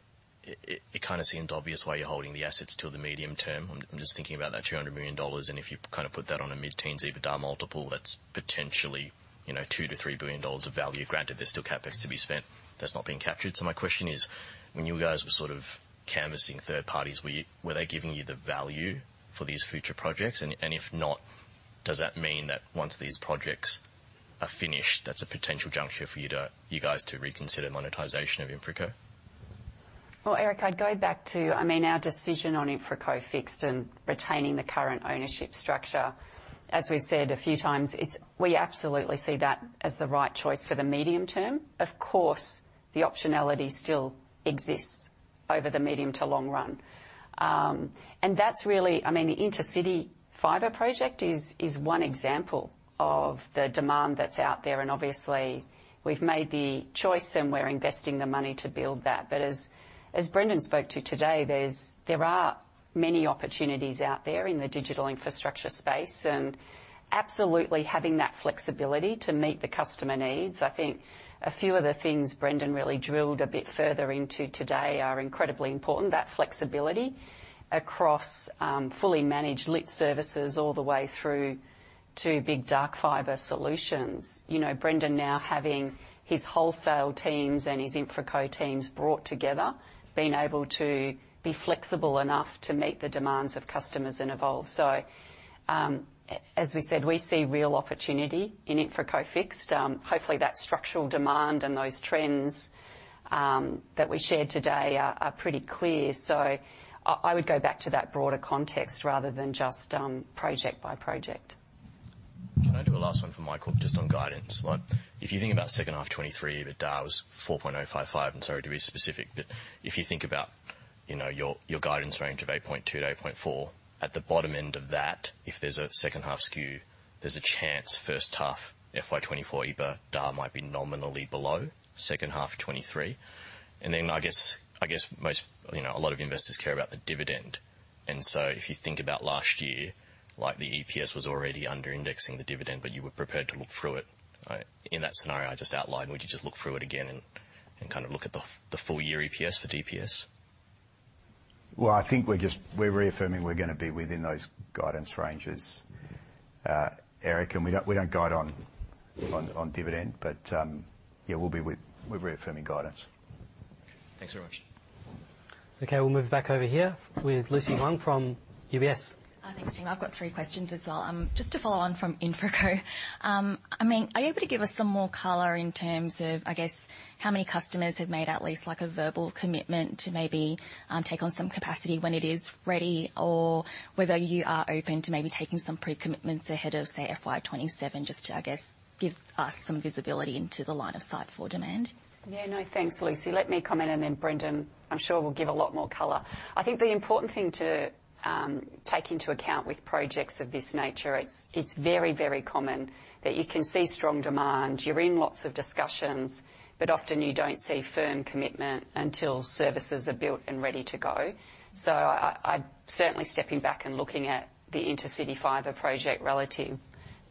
K: it kind of seemed obvious why you're holding the assets till the medium term. I'm just thinking about that AUD 200 million, and if you kind of put that on a mid-teen EBITDA multiple, that's potentially, you know, 2 billion-3 billion dollars of value. Granted, there's still CapEx to be spent that's not being captured. So my question is, when you guys were sort of canvassing third parties, were they giving you the value for these future projects? And if not, does that mean that once these projects are finished, that's a potential juncture for you guys to reconsider monetization of InfraCo?
A: Well, Eric, I'd go back to, I mean, our decision on InfraCo Fixed and retaining the current ownership structure. As we've said a few times, it's we absolutely see that as the right choice for the medium term. Of course, the optionality still exists over the medium to long run. And that's really I mean, the Intercity Fibre project is one example of the demand that's out there, and obviously, we've made the choice and we're investing the money to build that. But as Brendon spoke to today, there are many opportunities out there in the digital infrastructure space, and absolutely having that flexibility to meet the customer needs. I think a few of the things Brendon really drilled a bit further into today are incredibly important. That flexibility across fully managed lit services all the way through to big dark fiber solutions. You know, Brendon now having his wholesale teams and his InfraCo teams brought together, being able to be flexible enough to meet the demands of customers and evolve. So, as we said, we see real opportunity in InfraCo Fixed. Hopefully, that structural demand and those trends that we shared today are pretty clear. So I would go back to that broader context rather than just project by project.
K: Can I do a last one for Michael, just on guidance? Like, if you think about second half 2023, the DAR was 4.055, and sorry to be specific, but if you think about, you know, your, your guidance range of 8.2-8.4, at the bottom end of that, if there's a second half skew, there's a chance first half FY 2024 EBITDA might be nominally below second half of 2023. And then, I guess, I guess most, you know, a lot of investors care about the dividend, and so if you think about last year, like, the EPS was already under-indexing the dividend, but you were prepared to look through it. In that scenario I just outlined, would you just look through it again and, and kind of look at the full year EPS for DPS?
G: Well, I think we're reaffirming we're gonna be within those guidance ranges, Eric, and we don't guide on dividend, but yeah, we're reaffirming guidance.
K: Thanks very much.
H: Okay, we'll move back over here with Lucy Huang from UBS.
L: Thanks, Tim. I've got three questions as well. Just to follow on from InfraCo. I mean, are you able to give us some more color in terms of, I guess, how many customers have made at least, like, a verbal commitment to maybe take on some capacity when it is ready, or whether you are open to maybe taking some pre-commitments ahead of, say, FY 2027, just to, I guess, give us some visibility into the line of sight for demand?
A: Yeah. No, thanks, Lucy. Let me comment and then Brendon, I'm sure, will give a lot more color. I think the important thing to take into account with projects of this nature, it's very common that you can see strong demand. You're in lots of discussions, but often you don't see firm commitment until services are built and ready to go. So I certainly stepping back and looking at the Intercity Fibre project relative to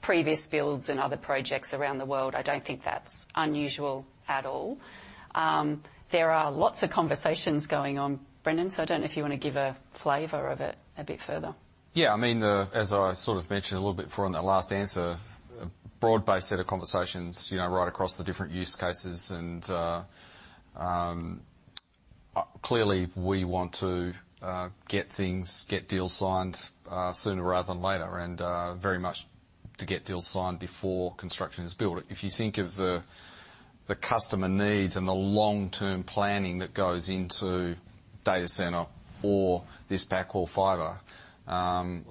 A: previous builds and other projects around the world, I don't think that's unusual at all. There are lots of conversations going on, Brendon, so I don't know if you want to give a flavor of it a bit further.
C: Yeah, I mean, as I sort of mentioned a little bit before in the last answer, a broad-based set of conversations, you know, right across the different use cases, and clearly, we want to get things, get deals signed sooner rather than later, and very much to get deals signed before construction is built. If you think of the customer needs and the long-term planning that goes into data center or this backhaul fiber,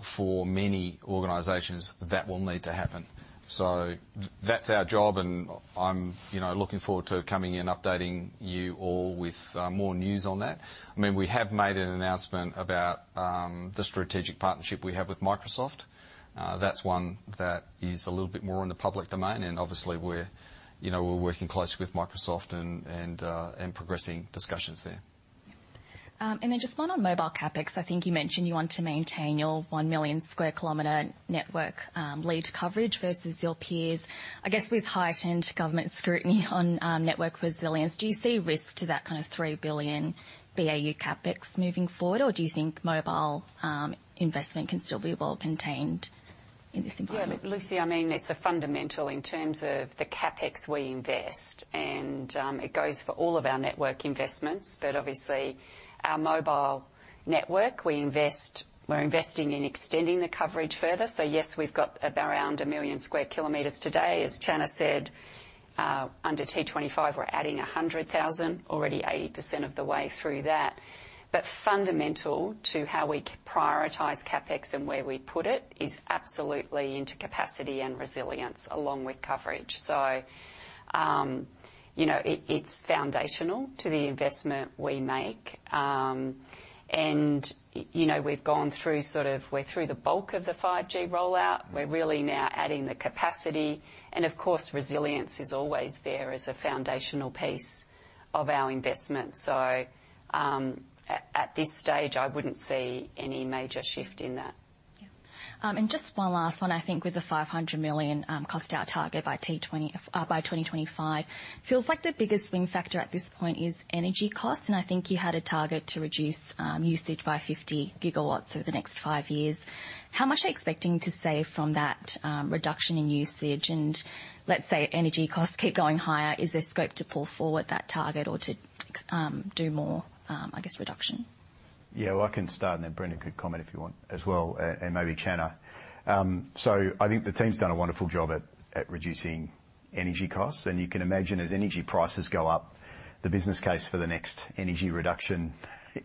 C: for many organizations, that will need to happen. So that's our job, and I'm, you know, looking forward to coming in and updating you all with more news on that. I mean, we have made an announcement about the strategic partnership we have with Microsoft. That's one that is a little bit more in the public domain, and obviously we're, you know, we're working closely with Microsoft and progressing discussions there. ...
L: and then just one on mobile CapEx. I think you mentioned you want to maintain your 1 million sq km network lead coverage versus your peers. I guess with heightened government scrutiny on, network resilience, do you see risk to that kind of 3 billion BAU CapEx moving forward? Or do you think mobile, investment can still be well contained in this environment?
A: Yeah, Lucy, I mean, it's a fundamental in terms of the CapEx we invest, and it goes for all of our network investments. But obviously, our mobile network, we invest—we're investing in extending the coverage further. So yes, we've got around 1 million sq km today. As Channa said, under T25, we're adding 100,000, already 80% of the way through that. But fundamental to how we prioritize CapEx and where we put it is absolutely into capacity and resilience, along with coverage. So, you know, it, it's foundational to the investment we make. And, you know, we've gone through sort of—we're through the bulk of the 5G rollout. We're really now adding the capacity, and of course, resilience is always there as a foundational piece of our investment. At this stage, I wouldn't see any major shift in that.
L: Yeah. And just one last one, I think with the 500 million cost out target by T20... by 2025. Feels like the biggest swing factor at this point is energy cost, and I think you had a target to reduce usage by 50 GW over the next five years. How much are you expecting to save from that reduction in usage? And let's say energy costs keep going higher, is there scope to pull forward that target or to do more, I guess, reduction?
G: Yeah, well, I can start and then Brendon could comment if you want as well, and maybe Channa. So I think the team's done a wonderful job at reducing energy costs. You can imagine as energy prices go up, the business case for the next energy reduction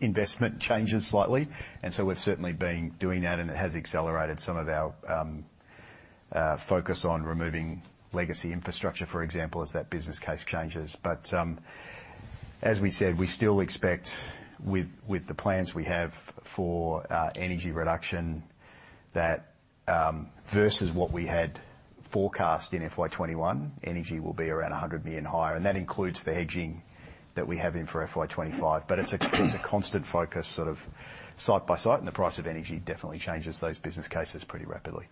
G: investment changes slightly. So we've certainly been doing that, and it has accelerated some of our focus on removing legacy infrastructure, for example, as that business case changes. But as we said, we still expect, with the plans we have for energy reduction, that versus what we had forecast in FY 21, energy will be around 100 million higher, and that includes the hedging that we have in for FY 25. But it's a constant focus, sort of site by site, and the price of energy definitely changes those business cases pretty rapidly.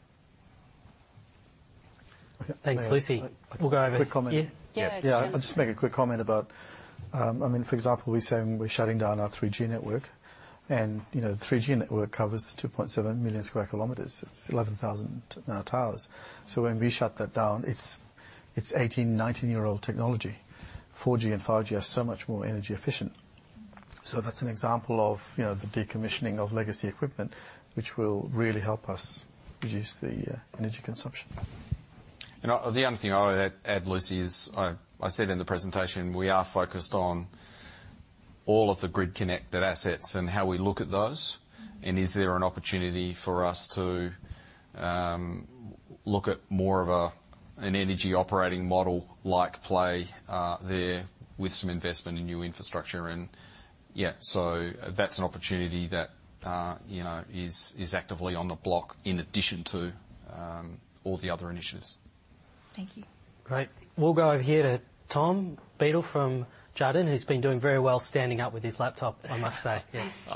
H: Thanks, Lucy. We'll go over-
B: Quick comment.
H: Yeah.
B: Yeah. I'll just make a quick comment about, I mean, for example, we're saying we're shutting down our 3G network, and, you know, the 3G network covers 2.7 million square kilometers. It's 11,000 now towers. So when we shut that down, it's, it's 18-19-year-old technology. 4G and 5G are so much more energy efficient. So that's an example of, you know, the decommissioning of legacy equipment, which will really help us reduce the, energy consumption.
C: And the only thing I would add, Lucy, is I said in the presentation, we are focused on all of the grid connected assets and how we look at those. And is there an opportunity for us to look at more of a, an energy operating model, like play, there with some investment in new infrastructure? And yeah, so that's an opportunity that, you know, is actively on the block, in addition to all the other initiatives.
L: Thank you.
H: Great. We'll go over here to Tom Beadle
M: Oh,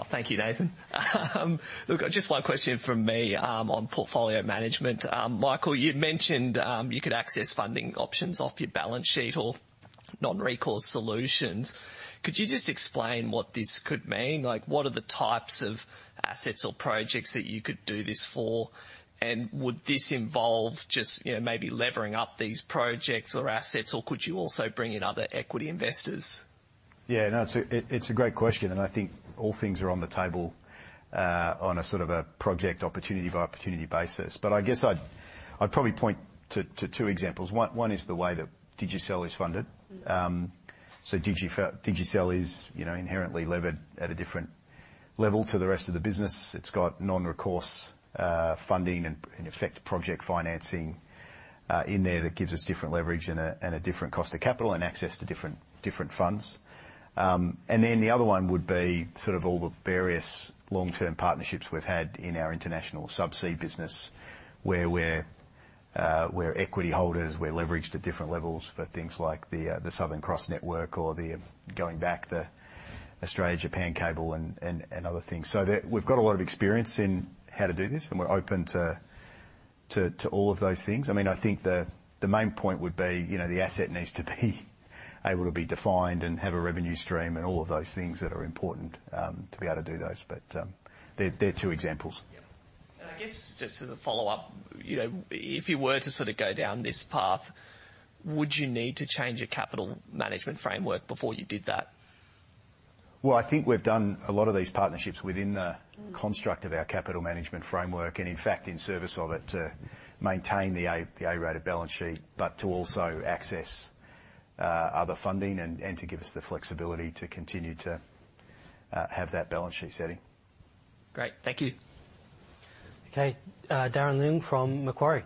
M: thank you, Nathan. Look, just one question from me on portfolio management. Michael, you mentioned you could access funding options off your balance sheet or non-recourse solutions. Could you just explain what this could mean? Like, what are the types of assets or projects that you could do this for? And would this involve just, you know, maybe levering up these projects or assets, or could you also bring in other equity investors?
G: Yeah, no, it's a great question, and I think all things are on the table on a sort of a project opportunity by opportunity basis. But I guess I'd probably point to two examples. One is the way that Digicel is funded. So Digicel is, you know, inherently levered at a different level to the rest of the business. It's got non-recourse funding and, in effect, project financing in there that gives us different leverage and a different cost of capital and access to different funds. And then the other one would be sort of all the various long-term partnerships we've had in our international subsea business, where we're equity holders. We're leveraged at different levels for things like the, the Southern Cross network or the, going back, the Australia-Japan cable and, and, and other things. So we've got a lot of experience in how to do this, and we're open to, to, to all of those things. I mean, I think the, the main point would be, you know, the asset needs to be able to be defined and have a revenue stream and all of those things that are important to be able to do those. But, they're, they're two examples.
M: Yeah. I guess, just as a follow-up, you know, if you were to sort of go down this path, would you need to change your capital management framework before you did that?
G: Well, I think we've done a lot of these partnerships within the construct of our capital management framework, and in fact, in service of it, to maintain the A-rated balance sheet, but to also access other funding and to give us the flexibility to continue to have that balance sheet setting.
M: Great. Thank you.
H: Okay. Darren Leung from Macquarie.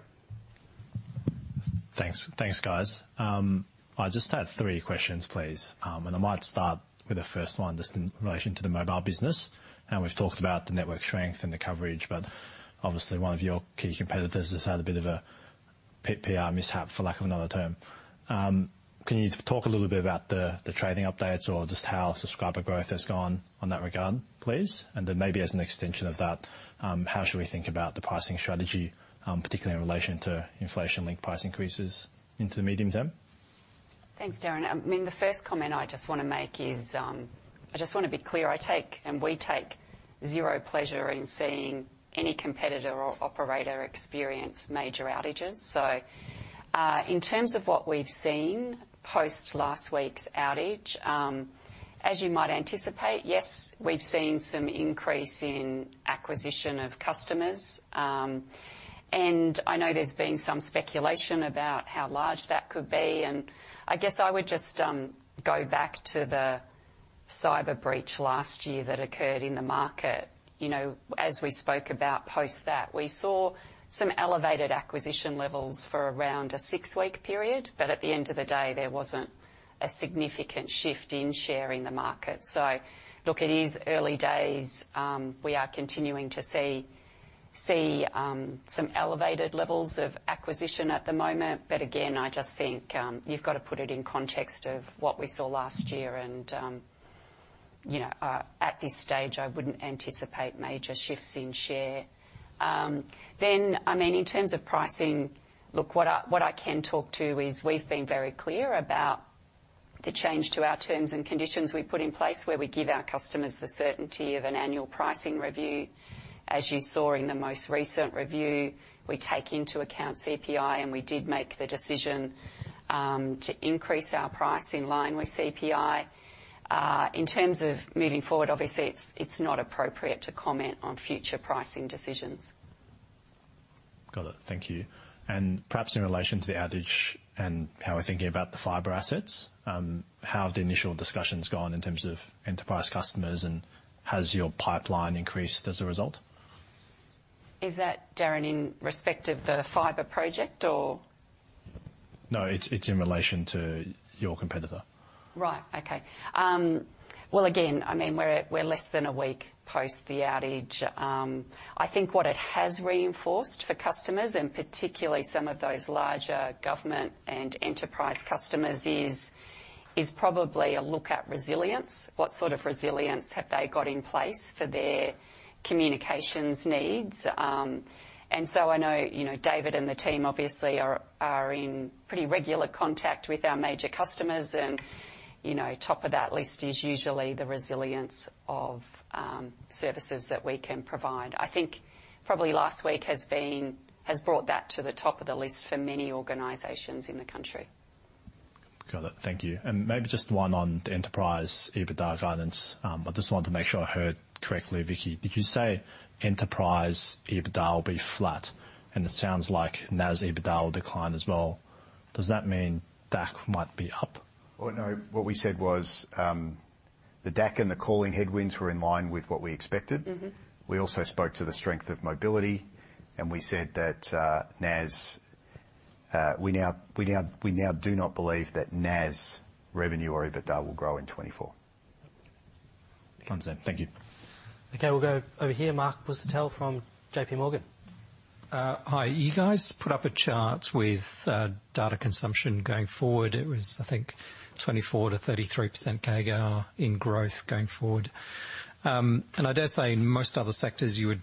N: Thanks. Thanks, guys. I just had three questions, please. And I might start with the first one, just in relation to the mobile business. We've talked about the network strength and the coverage, but obviously one of your key competitors has had a bit of a PR mishap, for lack of another term. Can you talk a little bit about the trading updates or just how subscriber growth has gone on that regard, please? And then maybe as an extension of that, how should we think about the pricing strategy, particularly in relation to inflation-linked price increases into the medium term?
A: Thanks, Darren. I mean, the first comment I just wanna make is, I just wanna be clear, I take, and we take, 0 pleasure in seeing any competitor or operator experience major outages. So, in terms of what we've seen post last week's outage, as you might anticipate, yes, we've seen some increase in acquisition of customers. I know there's been some speculation about how large that could be, and I guess I would just, go back to the cyber breach last year that occurred in the market. You know, as we spoke about post that, we saw some elevated acquisition levels for around a 6-week period, but at the end of the day, there wasn't a significant shift in share in the market. So look, it is early days. We are continuing to see some elevated levels of acquisition at the moment. But again, I just think you've got to put it in context of what we saw last year. You know, at this stage, I wouldn't anticipate major shifts in share. I mean, in terms of pricing, look, what I can talk to is we've been very clear about the change to our terms and conditions we've put in place, where we give our customers the certainty of an annual pricing review. As you saw in the most recent review, we take into account CPI, and we did make the decision to increase our price in line with CPI. In terms of moving forward, obviously, it's not appropriate to comment on future pricing decisions.
N: Got it. Thank you. Perhaps in relation to the outage and how we're thinking about the fiber assets, how have the initial discussions gone in terms of enterprise customers, and has your pipeline increased as a result?
A: Is that, Darren, in respect of the fiber project, or?
N: No, it's in relation to your competitor.
A: Right. Okay. Well, again, I mean, we're, we're less than a week post the outage. I think what it has reinforced for customers, and particularly some of those larger government and enterprise customers, is, is probably a look at resilience. What sort of resilience have they got in place for their communications needs? And so I know, you know, David and the team obviously are, are in pretty regular contact with our major customers. And, you know, top of that list is usually the resilience of services that we can provide. I think probably last week has been, has brought that to the top of the list for many organizations in the country.
N: Got it. Thank you. And maybe just one on the enterprise EBITDA guidance. I just wanted to make sure I heard correctly, Vicki. Did you say enterprise EBITDA will be flat? And it sounds like NAS EBITDA will decline as well. Does that mean DAC might be up?
G: Well, no. What we said was, the DAC and the calling headwinds were in line with what we expected.
A: Mm-hmm.
G: We also spoke to the strength of mobility, and we said that NAS, we now do not believe that NAS revenue or EBITDA will grow in 2024.
N: Understood. Thank you.
H: Okay, we'll go over here. Mark Bucatel from JPMorgan.
O: Hi. You guys put up a chart with data consumption going forward. It was, I think, 24%-33% CAGR in growth going forward. And I dare say in most other sectors, you would,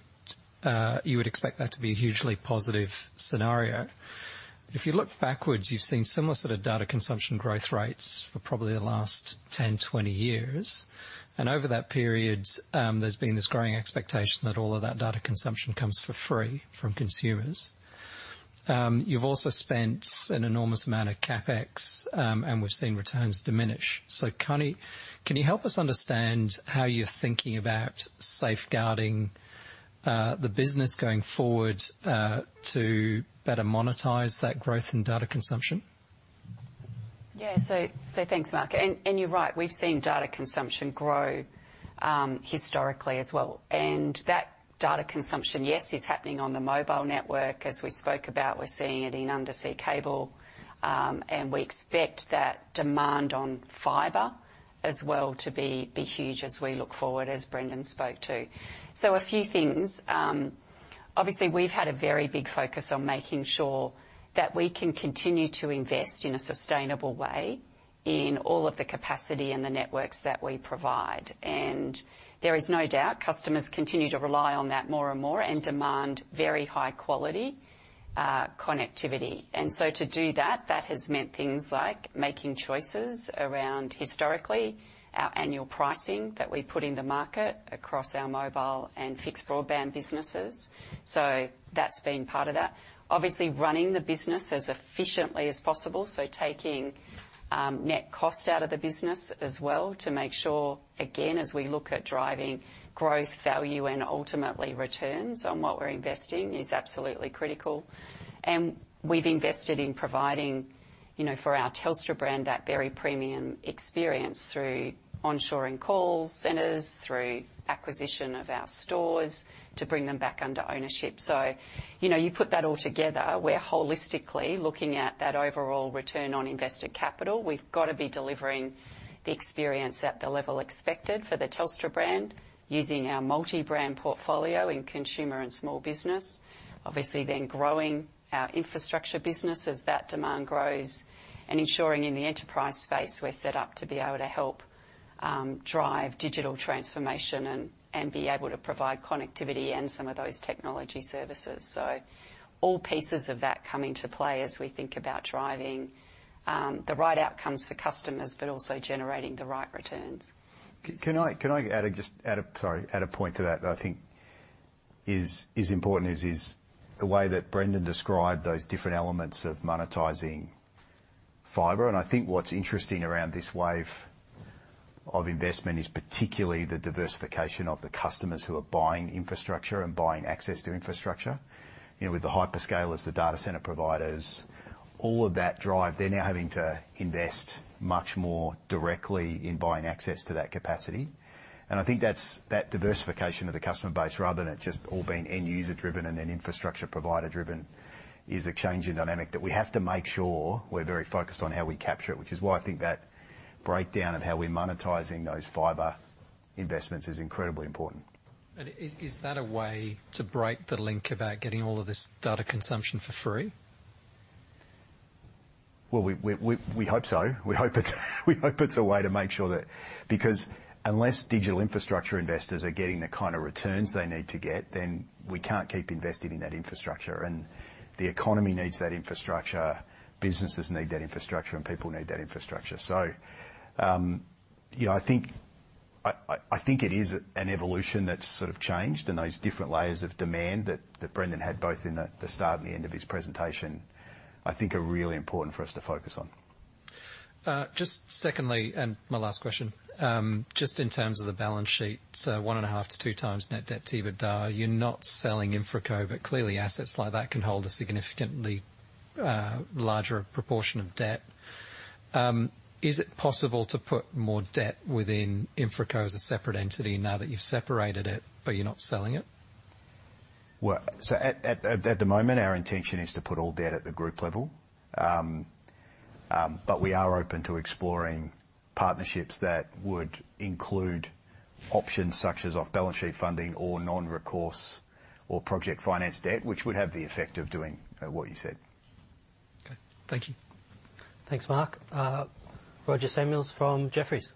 O: you would expect that to be a hugely positive scenario. But if you look backwards, you've seen similar sort of data consumption growth rates for probably the last 10 years, 20 years. And over that period, there's been this growing expectation that all of that data consumption comes for free from consumers. You've also spent an enormous amount of CapEx, and we've seen returns diminish. So can you, can you help us understand how you're thinking about safeguarding the business going forward to better monetize that growth in data consumption?
A: Yeah. So thanks, Mark. And you're right, we've seen data consumption grow historically as well. And that data consumption, yes, is happening on the mobile network. As we spoke about, we're seeing it in undersea cable. And we expect that demand on fiber as well to be huge as we look forward, as Brendon spoke to. So a few things. Obviously, we've had a very big focus on making sure that we can continue to invest in a sustainable way in all of the capacity and the networks that we provide. And there is no doubt customers continue to rely on that more and more and demand very high quality connectivity. And so to do that, that has meant things like making choices around, historically, our annual pricing that we put in the market across our mobile and fixed broadband businesses. That's been part of that. Obviously, running the business as efficiently as possible, so taking net cost out of the business as well to make sure, again, as we look at driving growth, value, and ultimately returns on what we're investing, is absolutely critical. We've invested in providing, you know, for our Telstra brand, that very premium experience through onshoring call centers, through acquisition of our stores to bring them back under ownership. You know, you put that all together, we're holistically looking at that overall return on invested capital. We've got to be delivering the experience at the level expected for the Telstra brand, using our multi-brand portfolio in consumer and small business, obviously then growing our infrastructure business as that demand grows, and ensuring in the enterprise space we're set up to be able to help drive digital transformation and be able to provide connectivity and some of those technology services. So all pieces of that come into play as we think about driving the right outcomes for customers, but also generating the right returns.
G: Can I add a point to that I think is important, the way that Brendon described those different elements of monetizing fiber. And I think what's interesting around this wave of investment is particularly the diversification of the customers who are buying infrastructure and buying access to infrastructure. You know, with the hyperscalers, the data center providers, all of that drive, they're now having to invest much more directly in buying access to that capacity. And I think that's that diversification of the customer base, rather than it just all being end-user driven and then infrastructure provider driven, is a changing dynamic that we have to make sure we're very focused on how we capture it. Which is why I think that breakdown of how we're monetizing those fiber investments is incredibly important.
O: Is that a way to break the link about getting all of this data consumption for free?
G: Well, we hope so. We hope it's a way to make sure that... Because unless digital infrastructure investors are getting the kind of returns they need to get, then we can't keep investing in that infrastructure, and the economy needs that infrastructure, businesses need that infrastructure, and people need that infrastructure. So, you know, I think it is an evolution that's sort of changed, and those different layers of demand that Brendon had both in the start and the end of his presentation, I think are really important for us to focus on.
O: Just secondly, and my last question. Just in terms of the balance sheet, so 1.5x-2x net debt to EBITDA, you're not selling InfraCo, but clearly assets like that can hold a significantly larger proportion of debt. Is it possible to put more debt within InfraCo as a separate entity now that you've separated it, but you're not selling it?
G: Well, so at the moment, our intention is to put all debt at the group level. But we are open to exploring partnerships that would include options such as off-balance sheet funding or non-recourse or project finance debt, which would have the effect of doing what you said.
O: Okay. Thank you.
H: Thanks, Mark. Roger Samuel from Jefferies.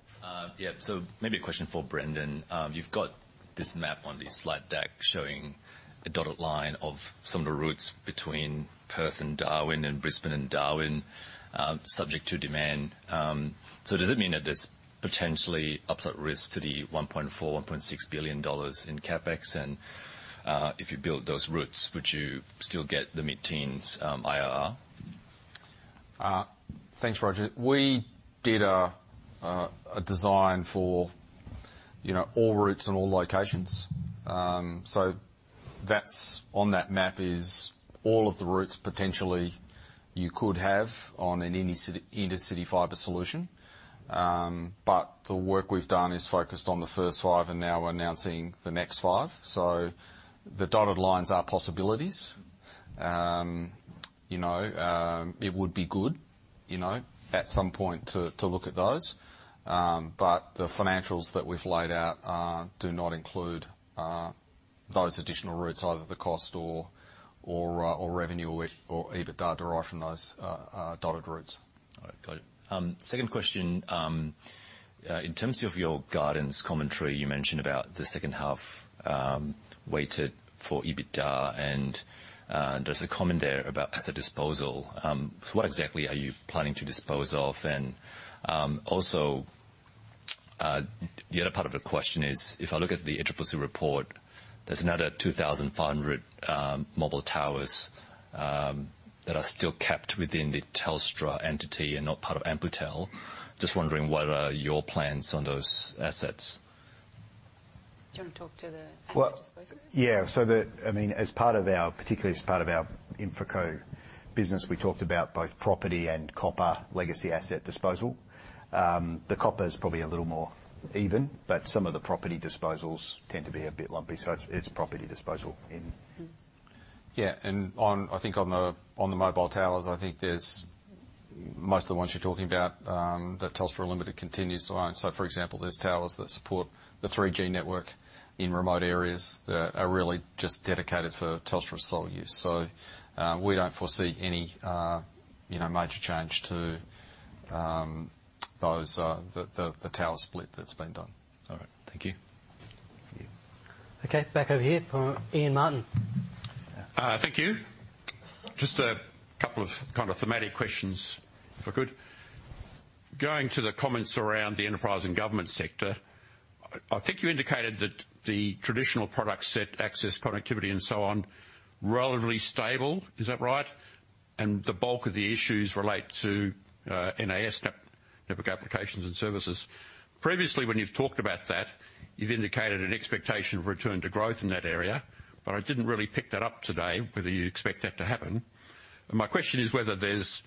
P: Yeah, so maybe a question for Brendon. You've got this map on the slide deck showing a dotted line of some of the routes between Perth and Darwin, and Brisbane and Darwin, subject to demand. So does it mean that there's potentially upside risk to the 1.4 billion-1.6 billion dollars in CapEx? And, if you build those routes, would you still get the mid-teens IRR?
C: Thanks, Roger. We did a design for, you know, all routes and all locations. So that's... On that map is all of the routes potentially you could have on an Intercity Fibre solution. You know, it would be good, you know, at some point to look at those. But the financials that we've laid out do not include those additional routes, either the cost or revenue or EBITDA derived from those dotted routes.
P: All right, got it. Second question. In terms of your guidance commentary, you mentioned about the second half, weighted for EBITDA, and, there's a comment there about asset disposal. So what exactly are you planning to dispose of? And, also, the other part of the question is, if I look at the interim report, there's another 2,500 mobile towers that are still kept within the Telstra entity and not part of Amplitel. Just wondering, what are your plans on those assets?
C: Do you want to talk to the-
G: Well-
C: Asset disposals?
G: Yeah. So the... I mean, as part of our, particularly as part of our InfraCo business, we talked about both property and copper legacy asset disposal. The copper is probably a little more even, but some of the property disposals tend to be a bit lumpy, so it's, it's property disposal in-
C: Mm-hmm. Yeah, and on the mobile towers, I think there's most of the ones you're talking about that Telstra Limited continues to own. So, for example, there's towers that support the 3G network in remote areas that are really just dedicated for Telstra sole use. So, we don't foresee any you know major change to the tower split that's been done.
P: All right. Thank you.
H: Okay, back over here. Ian Martin.
Q: Thank you. Just a couple of kind of thematic questions, if I could. Going to the comments around the enterprise and government sector, I think you indicated that the traditional product set, access, connectivity, and so on, relatively stable, is that right? And the bulk of the issues relate to NAS, Network Applications and Services. Previously, when you've talked about that, you've indicated an expectation of return to growth in that area, but I didn't really pick that up today, whether you expect that to happen. And my question is whether there's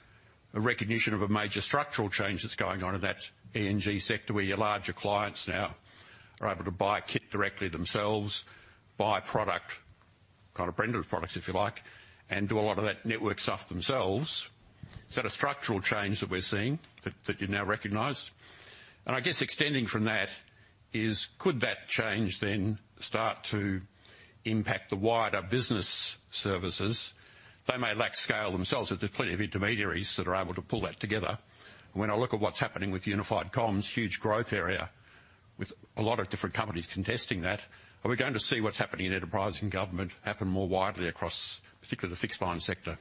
Q: a recognition of a major structural change that's going on in that ENG sector, where your larger clients now are able to buy a kit directly themselves, buy product, kind of branded products, if you like, and do a lot of that network stuff themselves. Is that a structural change that we're seeing, that you now recognize? And I guess extending from that, could that change then start to impact the wider business services? They may lack scale themselves, but there's plenty of intermediaries that are able to pull that together. When I look at what's happening with unified comms, huge growth area, with a lot of different companies contesting that, are we going to see what's happening in enterprise and government happen more widely across, particularly the fixed line sector?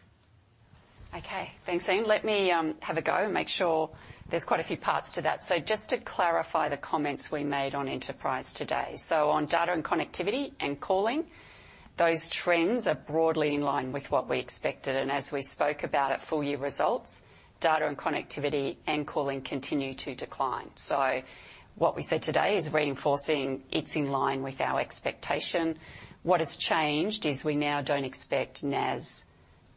A: Okay, thanks, Ian. Let me have a go and make sure... There's quite a few parts to that. So just to clarify the comments we made on enterprise today. So on data and connectivity and calling, those trends are broadly in line with what we expected, and as we spoke about at full year results, data and connectivity and calling continue to decline. So what we said today is reinforcing, it's in line with our expectation. What has changed is we now don't expect NAS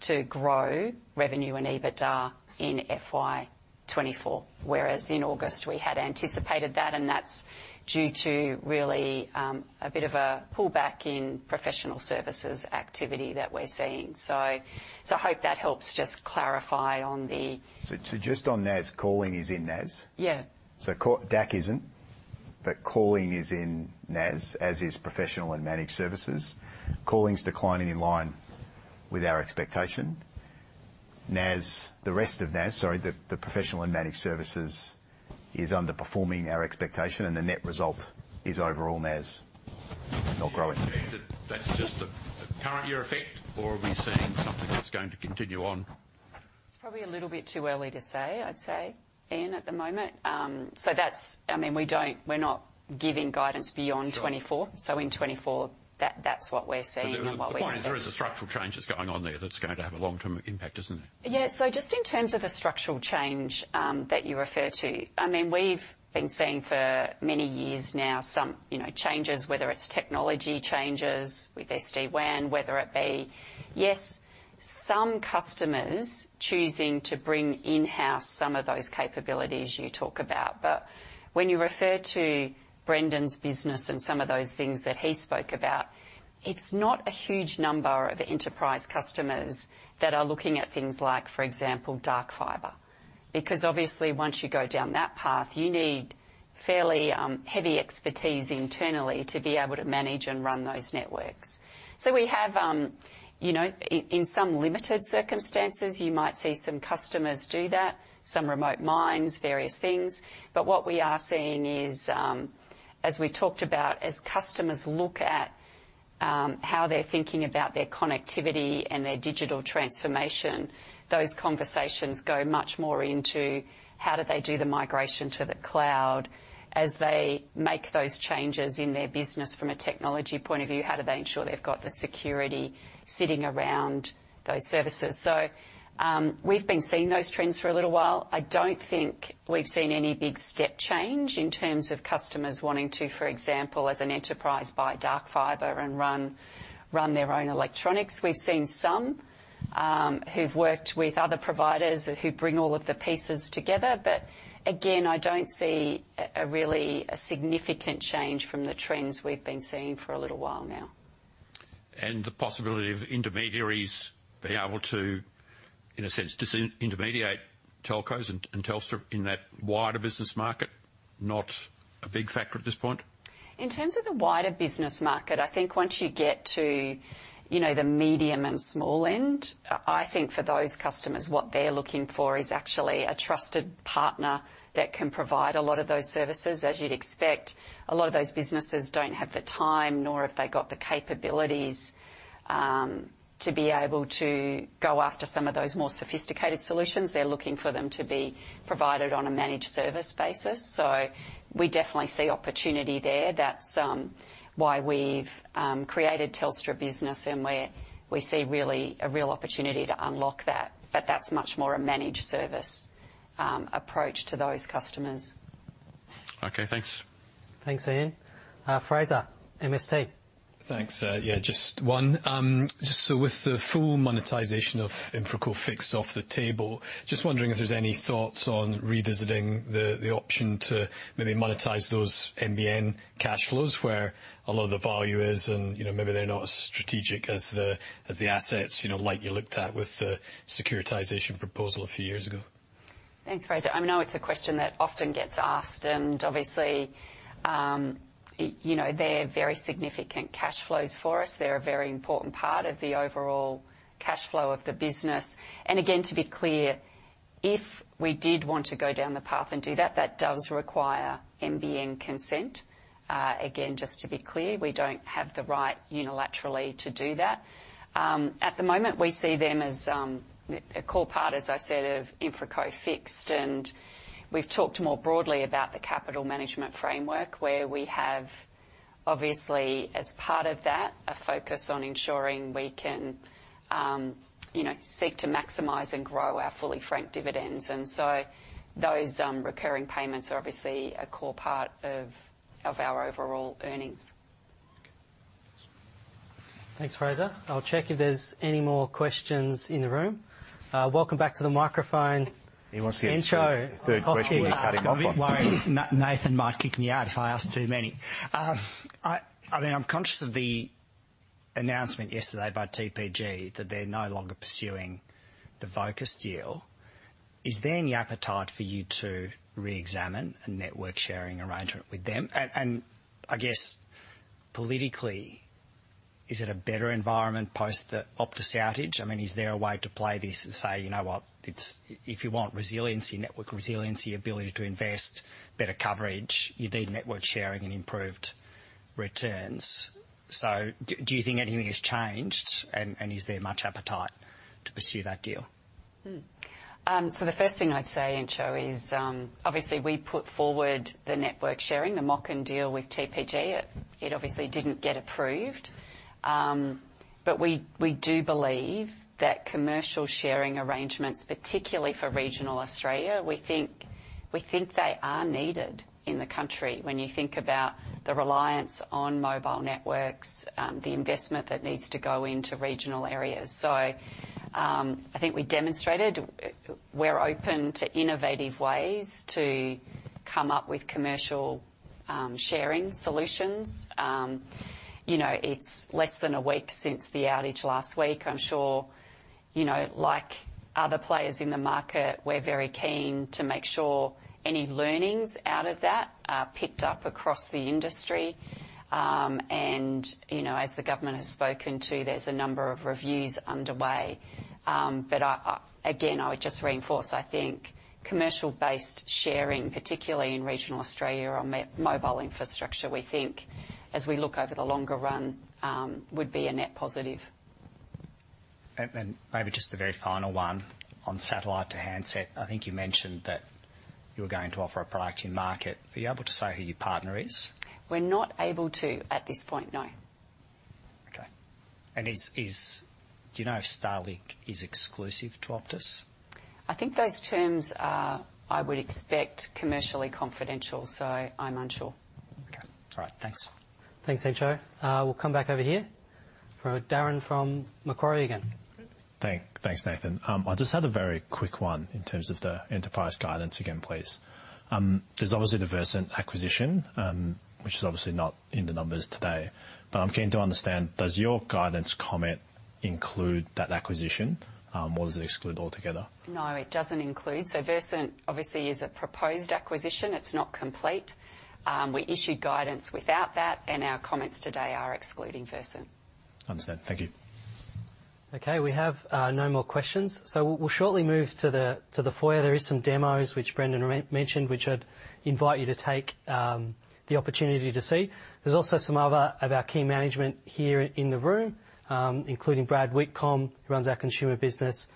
A: to grow revenue and EBITDA in FY 2024, whereas in August, we had anticipated that, and that's due to really a bit of a pullback in professional services activity that we're seeing. So I hope that helps just clarify on the-
G: So, just on NAS, calling is in NAS?
A: Yeah.
G: So, DAC isn't, but calling is in NAS, as is professional and managed services. Calling's declining in line with our expectation. NAS, the rest of NAS, sorry, the professional and managed services, is underperforming our expectation, and the net result is overall NAS not growing.
Q: That's just a current year effect, or are we seeing something that's going to continue on?
A: It's probably a little bit too early to say, I'd say, Ian, at the moment. So that's, I mean, we don't, we're not giving guidance beyond 2024.
Q: Sure.
A: So in 2024, that, that's what we're seeing and what we expect-
Q: The point is, there is a structural change that's going on there that's going to have a long-term impact, isn't it?
A: Yeah. So just in terms of a structural change that you refer to, I mean, we've been seeing for many years now some, you know, changes, whether it's technology changes with SD-WAN, whether it be... Yes, some customers choosing to bring in-house some of those capabilities you talk about, but when you refer to Brendon's business and some of those things that he spoke about, it's not a huge number of enterprise customers that are looking at things like, for example, dark fiber. Because obviously once you go down that path, you need fairly heavy expertise internally to be able to manage and run those networks. So we have, you know, in some limited circumstances, you might see some customers do that, some remote mines, various things. What we are seeing is, as we talked about, as customers look at how they're thinking about their connectivity and their digital transformation, those conversations go much more into how do they do the migration to the cloud. As they make those changes in their business from a technology point of view, how do they ensure they've got the security sitting around those services? We've been seeing those trends for a little while. I don't think we've seen any big step change in terms of customers wanting to, for example, as an enterprise, buy dark fiber and run their own electronics. We've seen some who've worked with other providers who bring all of the pieces together, but again, I don't see a really significant change from the trends we've been seeing for a little while now.
Q: The possibility of intermediaries being able to, in a sense, disintermediate telcos and Telstra in that wider business market, not a big factor at this point?
A: In terms of the wider business market, I think once you get to, you know, the medium and small end, I think for those customers, what they're looking for is actually a trusted partner that can provide a lot of those services. As you'd expect, a lot of those businesses don't have the time, nor have they got the capabilities, to be able to go after some of those more sophisticated solutions. They're looking for them to be provided on a managed service basis. So we definitely see opportunity there. That's why we've created Telstra Business, and we see really a real opportunity to unlock that, but that's much more a managed service approach to those customers.
Q: Okay, thanks.
H: Thanks, Ian. Fraser, MST.
R: Thanks. Yeah, just one. Just so with the full monetization of InfraCo Fixed off the table, just wondering if there's any thoughts on revisiting the, the option to maybe monetize those NBN cash flows, where a lot of the value is and, you know, maybe they're not as strategic as the, as the assets, you know, like you looked at with the securitization proposal a few years ago?
A: Thanks, Fraser. I know it's a question that often gets asked, and obviously, you know, they're very significant cash flows for us. They're a very important part of the overall cash flow of the business. And again, to be clear, if we did want to go down the path and do that, that does require NBN consent. Again, just to be clear, we don't have the right unilaterally to do that. At the moment, we see them as a core part, as I said, of InfraCo Fixed, and we've talked more broadly about the capital management framework, where we have, obviously, as part of that, a focus on ensuring we can, you know, seek to maximize and grow our fully franked dividends, and so those recurring payments are obviously a core part of our overall earnings.
H: Thanks, Fraser. I'll check if there's any more questions in the room. Welcome back to the microphone.
I: He wants to get to the third question. Nathan, might kick me out if I ask too many. I mean, I'm conscious of the announcement yesterday by TPG that they're no longer pursuing the Vocus deal. Is there any appetite for you to reexamine a network sharing arrangement with them? And I guess politically, is it a better environment post the Optus outage? I mean, is there a way to play this and say, "You know what? It's if you want resiliency, network resiliency, ability to invest, better coverage, you need network sharing and improved returns." So do you think anything has changed, and is there much appetite to pursue that deal?
A: So the first thing I'd say, Entcho, is, obviously we put forward the network sharing, the MOCN deal with TPG. It obviously didn't get approved. But we do believe that commercial sharing arrangements, particularly for regional Australia, we think they are needed in the country when you think about the reliance on mobile networks, the investment that needs to go into regional areas. So, I think we demonstrated we're open to innovative ways to come up with commercial sharing solutions. You know, it's less than a week since the outage last week. I'm sure, you know, like other players in the market, we're very keen to make sure any learnings out of that are picked up across the industry. And, you know, as the government has spoken to, there's a number of reviews underway. But I, again, I would just reinforce, I think commercial-based sharing, particularly in regional Australia on mobile infrastructure, we think as we look over the longer run, would be a net positive.
I: Then maybe just the very final one on satellite to handset. I think you mentioned that you were going to offer a product in market. Are you able to say who your partner is?
A: We're not able to at this point, no.
I: Okay. And is... Do you know if Starlink is exclusive to Optus?
A: I think those terms are, I would expect, commercially confidential, so I'm unsure.
I: Okay. All right, thanks.
H: Thanks, Entcho. We'll come back over here for Darren from Macquarie again.
N: Thanks, Nathan. I just had a very quick one in terms of the enterprise guidance again, please. There's obviously the Versent acquisition, which is obviously not in the numbers today, but I'm keen to understand, does your guidance comment include that acquisition, or does it exclude altogether?
A: No, it doesn't include. Versent obviously is a proposed acquisition. It's not complete. We issued guidance without that, and our comments today are excluding Versent.
N: Understand. Thank you.
H: Okay. We have no more questions, so we'll shortly move to the foyer. There is some demos, which Brendon re-mentioned, which I'd invite you to take the opportunity to see. There's also some other of our key management here in the room, including Brad Whitcomb, who runs our consumer business,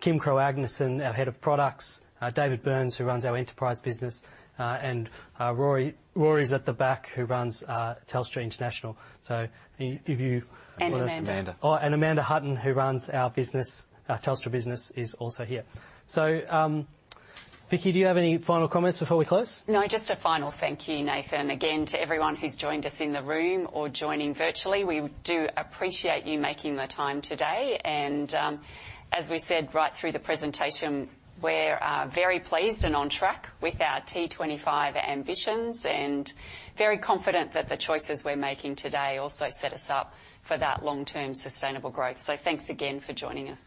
H: Kim Krogh Andersen, our head of products, David Burns, who runs our enterprise business, and Roary. Roary's at the back, who runs Telstra International. So if you-
A: And Amanda.
N: Amanda.
H: Oh, and Amanda Hutton, who runs our business, Telstra Business, is also here. So, Vicki, do you have any final comments before we close?
A: No, just a final thank you, Nathan. Again, to everyone who's joined us in the room or joining virtually, we do appreciate you making the time today. As we said right through the presentation, we're very pleased and on track with our T25 ambitions, and very confident that the choices we're making today also set us up for that long-term sustainable growth. Thanks again for joining us.